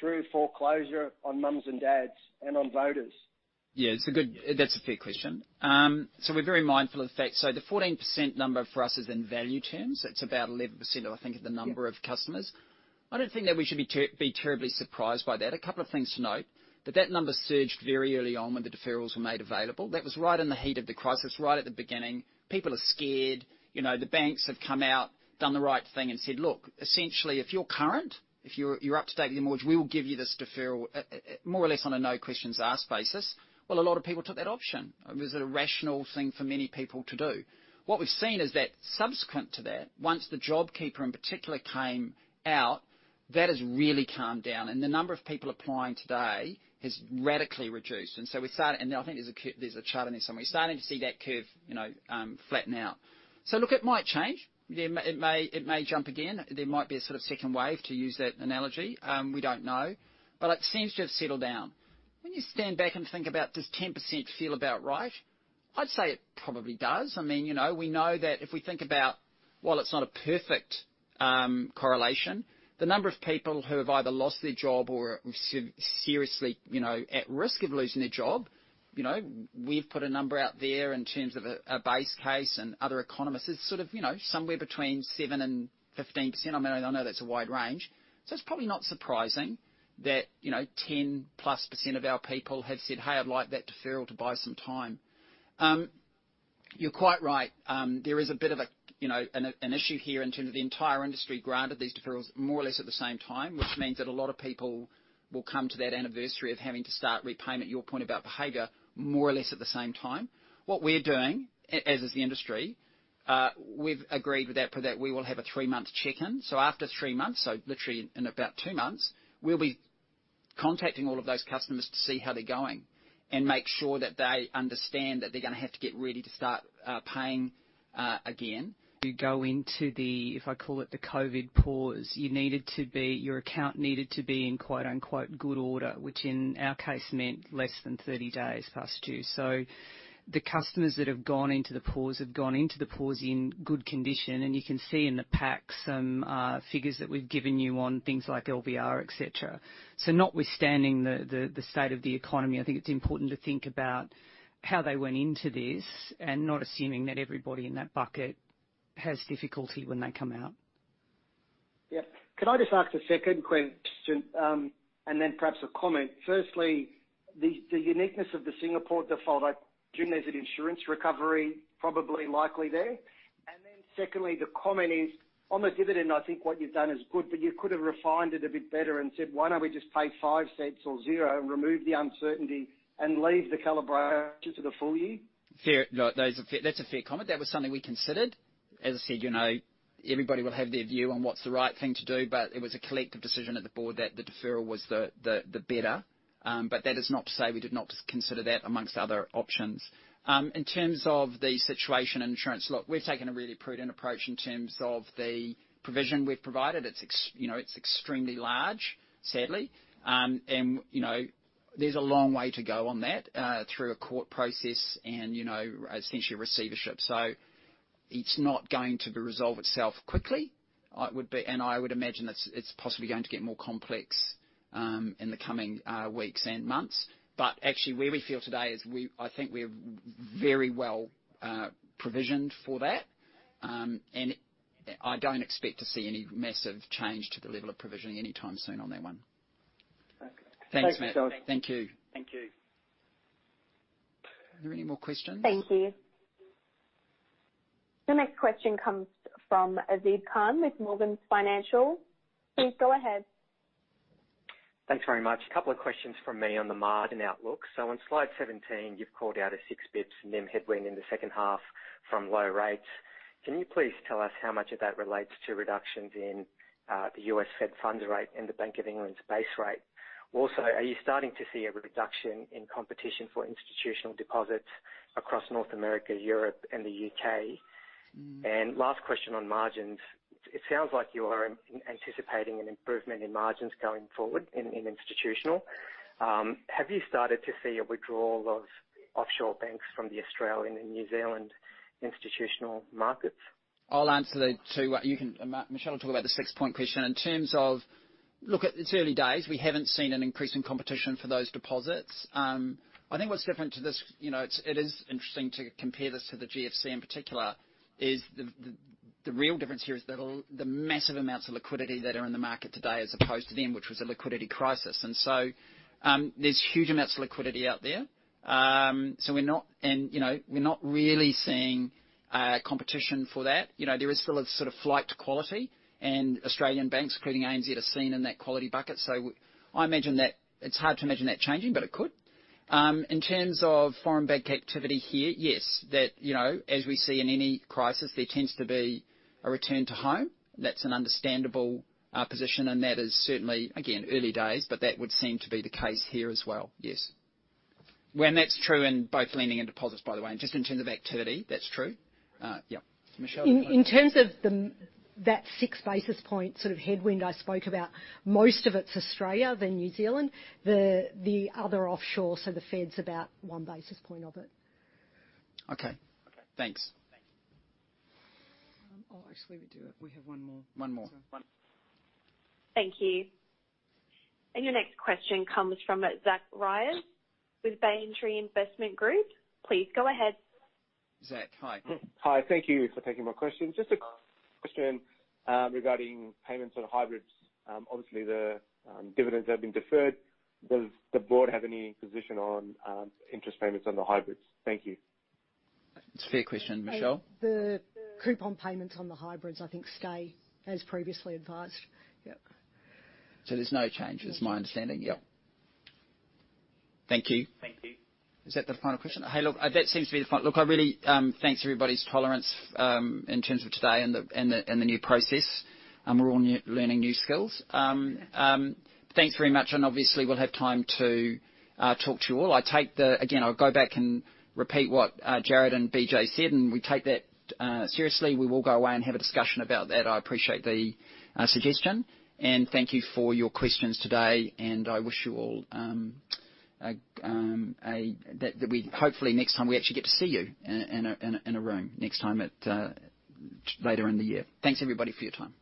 S16: through foreclosure on mums and dads and on voters?
S3: Yeah. That's a fair question. So we're very mindful of that. So the 14% number for us is in value terms. It's about 11%, I think, of the number of customers. I don't think that we should be terribly surprised by that. A couple of things to note. But that number surged very early on when the deferrals were made available. That was right in the heat of the crisis, right at the beginning. People are scared. The banks have come out, done the right thing, and said, "Look, essentially, if you're current, if you're up to date with your mortgage, we will give you this deferral more or less on a no questions asked basis." Well, a lot of people took that option. It was a rational thing for many people to do. What we've seen is that subsequent to that, once the JobKeeper in particular came out, that has really calmed down, and the number of people applying today has radically reduced, and so we started, and I think there's a chart in there somewhere, we're starting to see that curve flatten out, so look, it might change. It may jump again. There might be a sort of second wave to use that analogy. We don't know, but it seems to have settled down. When you stand back and think about, does 10% feel about right? I'd say it probably does. I mean, we know that if we think about, well, it's not a perfect correlation, the number of people who have either lost their job or are seriously at risk of losing their job. We've put a number out there in terms of a base case and other economists. It's sort of somewhere between 7%-15%. I mean, I know that's a wide range. So it's probably not surprising that 10-plus% of our people have said, "Hey, I'd like that deferral to buy some time." You're quite right. There is a bit of an issue here in terms of the entire industry granted these deferrals more or less at the same time, which means that a lot of people will come to that anniversary of having to start repayment. Your point about behavior more or less at the same time. What we're doing, as is the industry, we've agreed with APRA that we will have a three-month check-in. So after three months, so literally in about two months, we'll be contacting all of those customers to see how they're going and make sure that they understand that they're going to have to get ready to start paying again. You go into the, if I call it the COVID pause, your account needed to be in "good order," which in our case meant less than 30 days past due. So the customers that have gone into the pause have gone into the pause in good condition. And you can see in the pack some figures that we've given you on things like LVR, etc. So notwithstanding the state of the economy, I think it's important to think about how they went into this and not assuming that everybody in that bucket has difficulty when they come out.
S16: Yep. Can I just ask a second question and then perhaps a comment? Firstly, the uniqueness of the Singapore default, I assume there's an insurance recovery probably likely there. And then secondly, the comment is, on the dividend, I think what you've done is good, but you could have refined it a bit better and said, "Why don't we just pay 0.05 or zero and remove the uncertainty and leave the calibration to the full year?"
S3: That's a fair comment. That was something we considered. As I said, everybody will have their view on what's the right thing to do, but it was a collective decision at the board that the deferral was the better. But that is not to say we did not consider that among other options. In terms of the situation and insurance, look, we've taken a really prudent approach in terms of the provision we've provided. It's extremely large, sadly. And there's a long way to go on that through a court process and essentially a receivership. So it's not going to resolve itself quickly. And I would imagine it's possibly going to get more complex in the coming weeks and months. But actually, where we feel today is I think we're very well provisioned for that. And I don't expect to see any massive change to the level of provisioning anytime soon on that one. Thanks, Matthew. Thank you. Thank you. Are there any more questions?
S1: Thank you. The next question comes from Azib Khan with Morgans Financial. Please go ahead.
S17: Thanks very much. A couple of questions from me on the margin outlook. So on slide 17, you've called out a six-bip for NIM headwind in the second half from low rates. Can you please tell us how much of that relates to reductions in the U.S. Fed funds rate and the Bank of England's base rate? Also, are you starting to see a reduction in competition for institutional deposits across North America, Europe, and the U.K.? And last question on margins. It sounds like you are anticipating an improvement in margins going forward in institutional. Have you started to see a withdrawal of offshore banks from the Australian and New Zealand institutional markets?
S3: I'll answer the two. Michelle will talk about the six-point question. In terms of, look, it's early days. We haven't seen an increase in competition for those deposits. I think what's different to this, it is interesting to compare this to the GFC in particular, is the real difference here is the massive amounts of liquidity that are in the market today as opposed to then, which was a liquidity crisis, and so there's huge amounts of liquidity out there, and we're not really seeing competition for that. There is still a sort of flight to quality, and Australian banks, including ANZ, are seen in that quality bucket, so I imagine that it's hard to imagine that changing, but it could. In terms of foreign bank activity here, yes, as we see in any crisis, there tends to be a return to home. That's an understandable position, and that is certainly, again, early days, but that would seem to be the case here as well. Yes, and that's true in both lending and deposits, by the way. And just in terms of activity, that's true. Yep. Michelle?
S4: In terms of that six basis point sort of headwind I spoke about, most of it's Australia, then New Zealand. The other offshore, so the Fed's about one basis point of it.
S17: Okay. Thanks.
S3: Oh, actually, we do. We have one more. One more.
S1: Thank you. And your next question comes from Zach Riaz with Banyan Tree Investment Group. Please go ahead.
S3: Zach, hi.
S18: Hi. Thank you for taking my question. Just a question regarding payments on hybrids. Obviously, the dividends have been deferred. Does the board have any position on interest payments on the hybrids? Thank you.
S3: It's a fair question, Michelle.
S4: The coupon payments on the hybrids, I think, stay as previously advised. Yep.
S18: So there's no change, is my understanding.
S3: Yep. Thank you. Thank you. Is that the final question? Hey, look, that seems to be the final. Look, I really thank everybody's tolerance in terms of today and the new process. We're all learning new skills. Thanks very much. And obviously, we'll have time to talk to you all. Again, I'll go back and repeat what Jared and BJ said, and we take that seriously. We will go away and have a discussion about that. I appreciate the suggestion. And thank you for your questions today. And I wish you all that we hopefully next time we actually get to see you in a room next time later in the year. Thanks, everybody, for your time.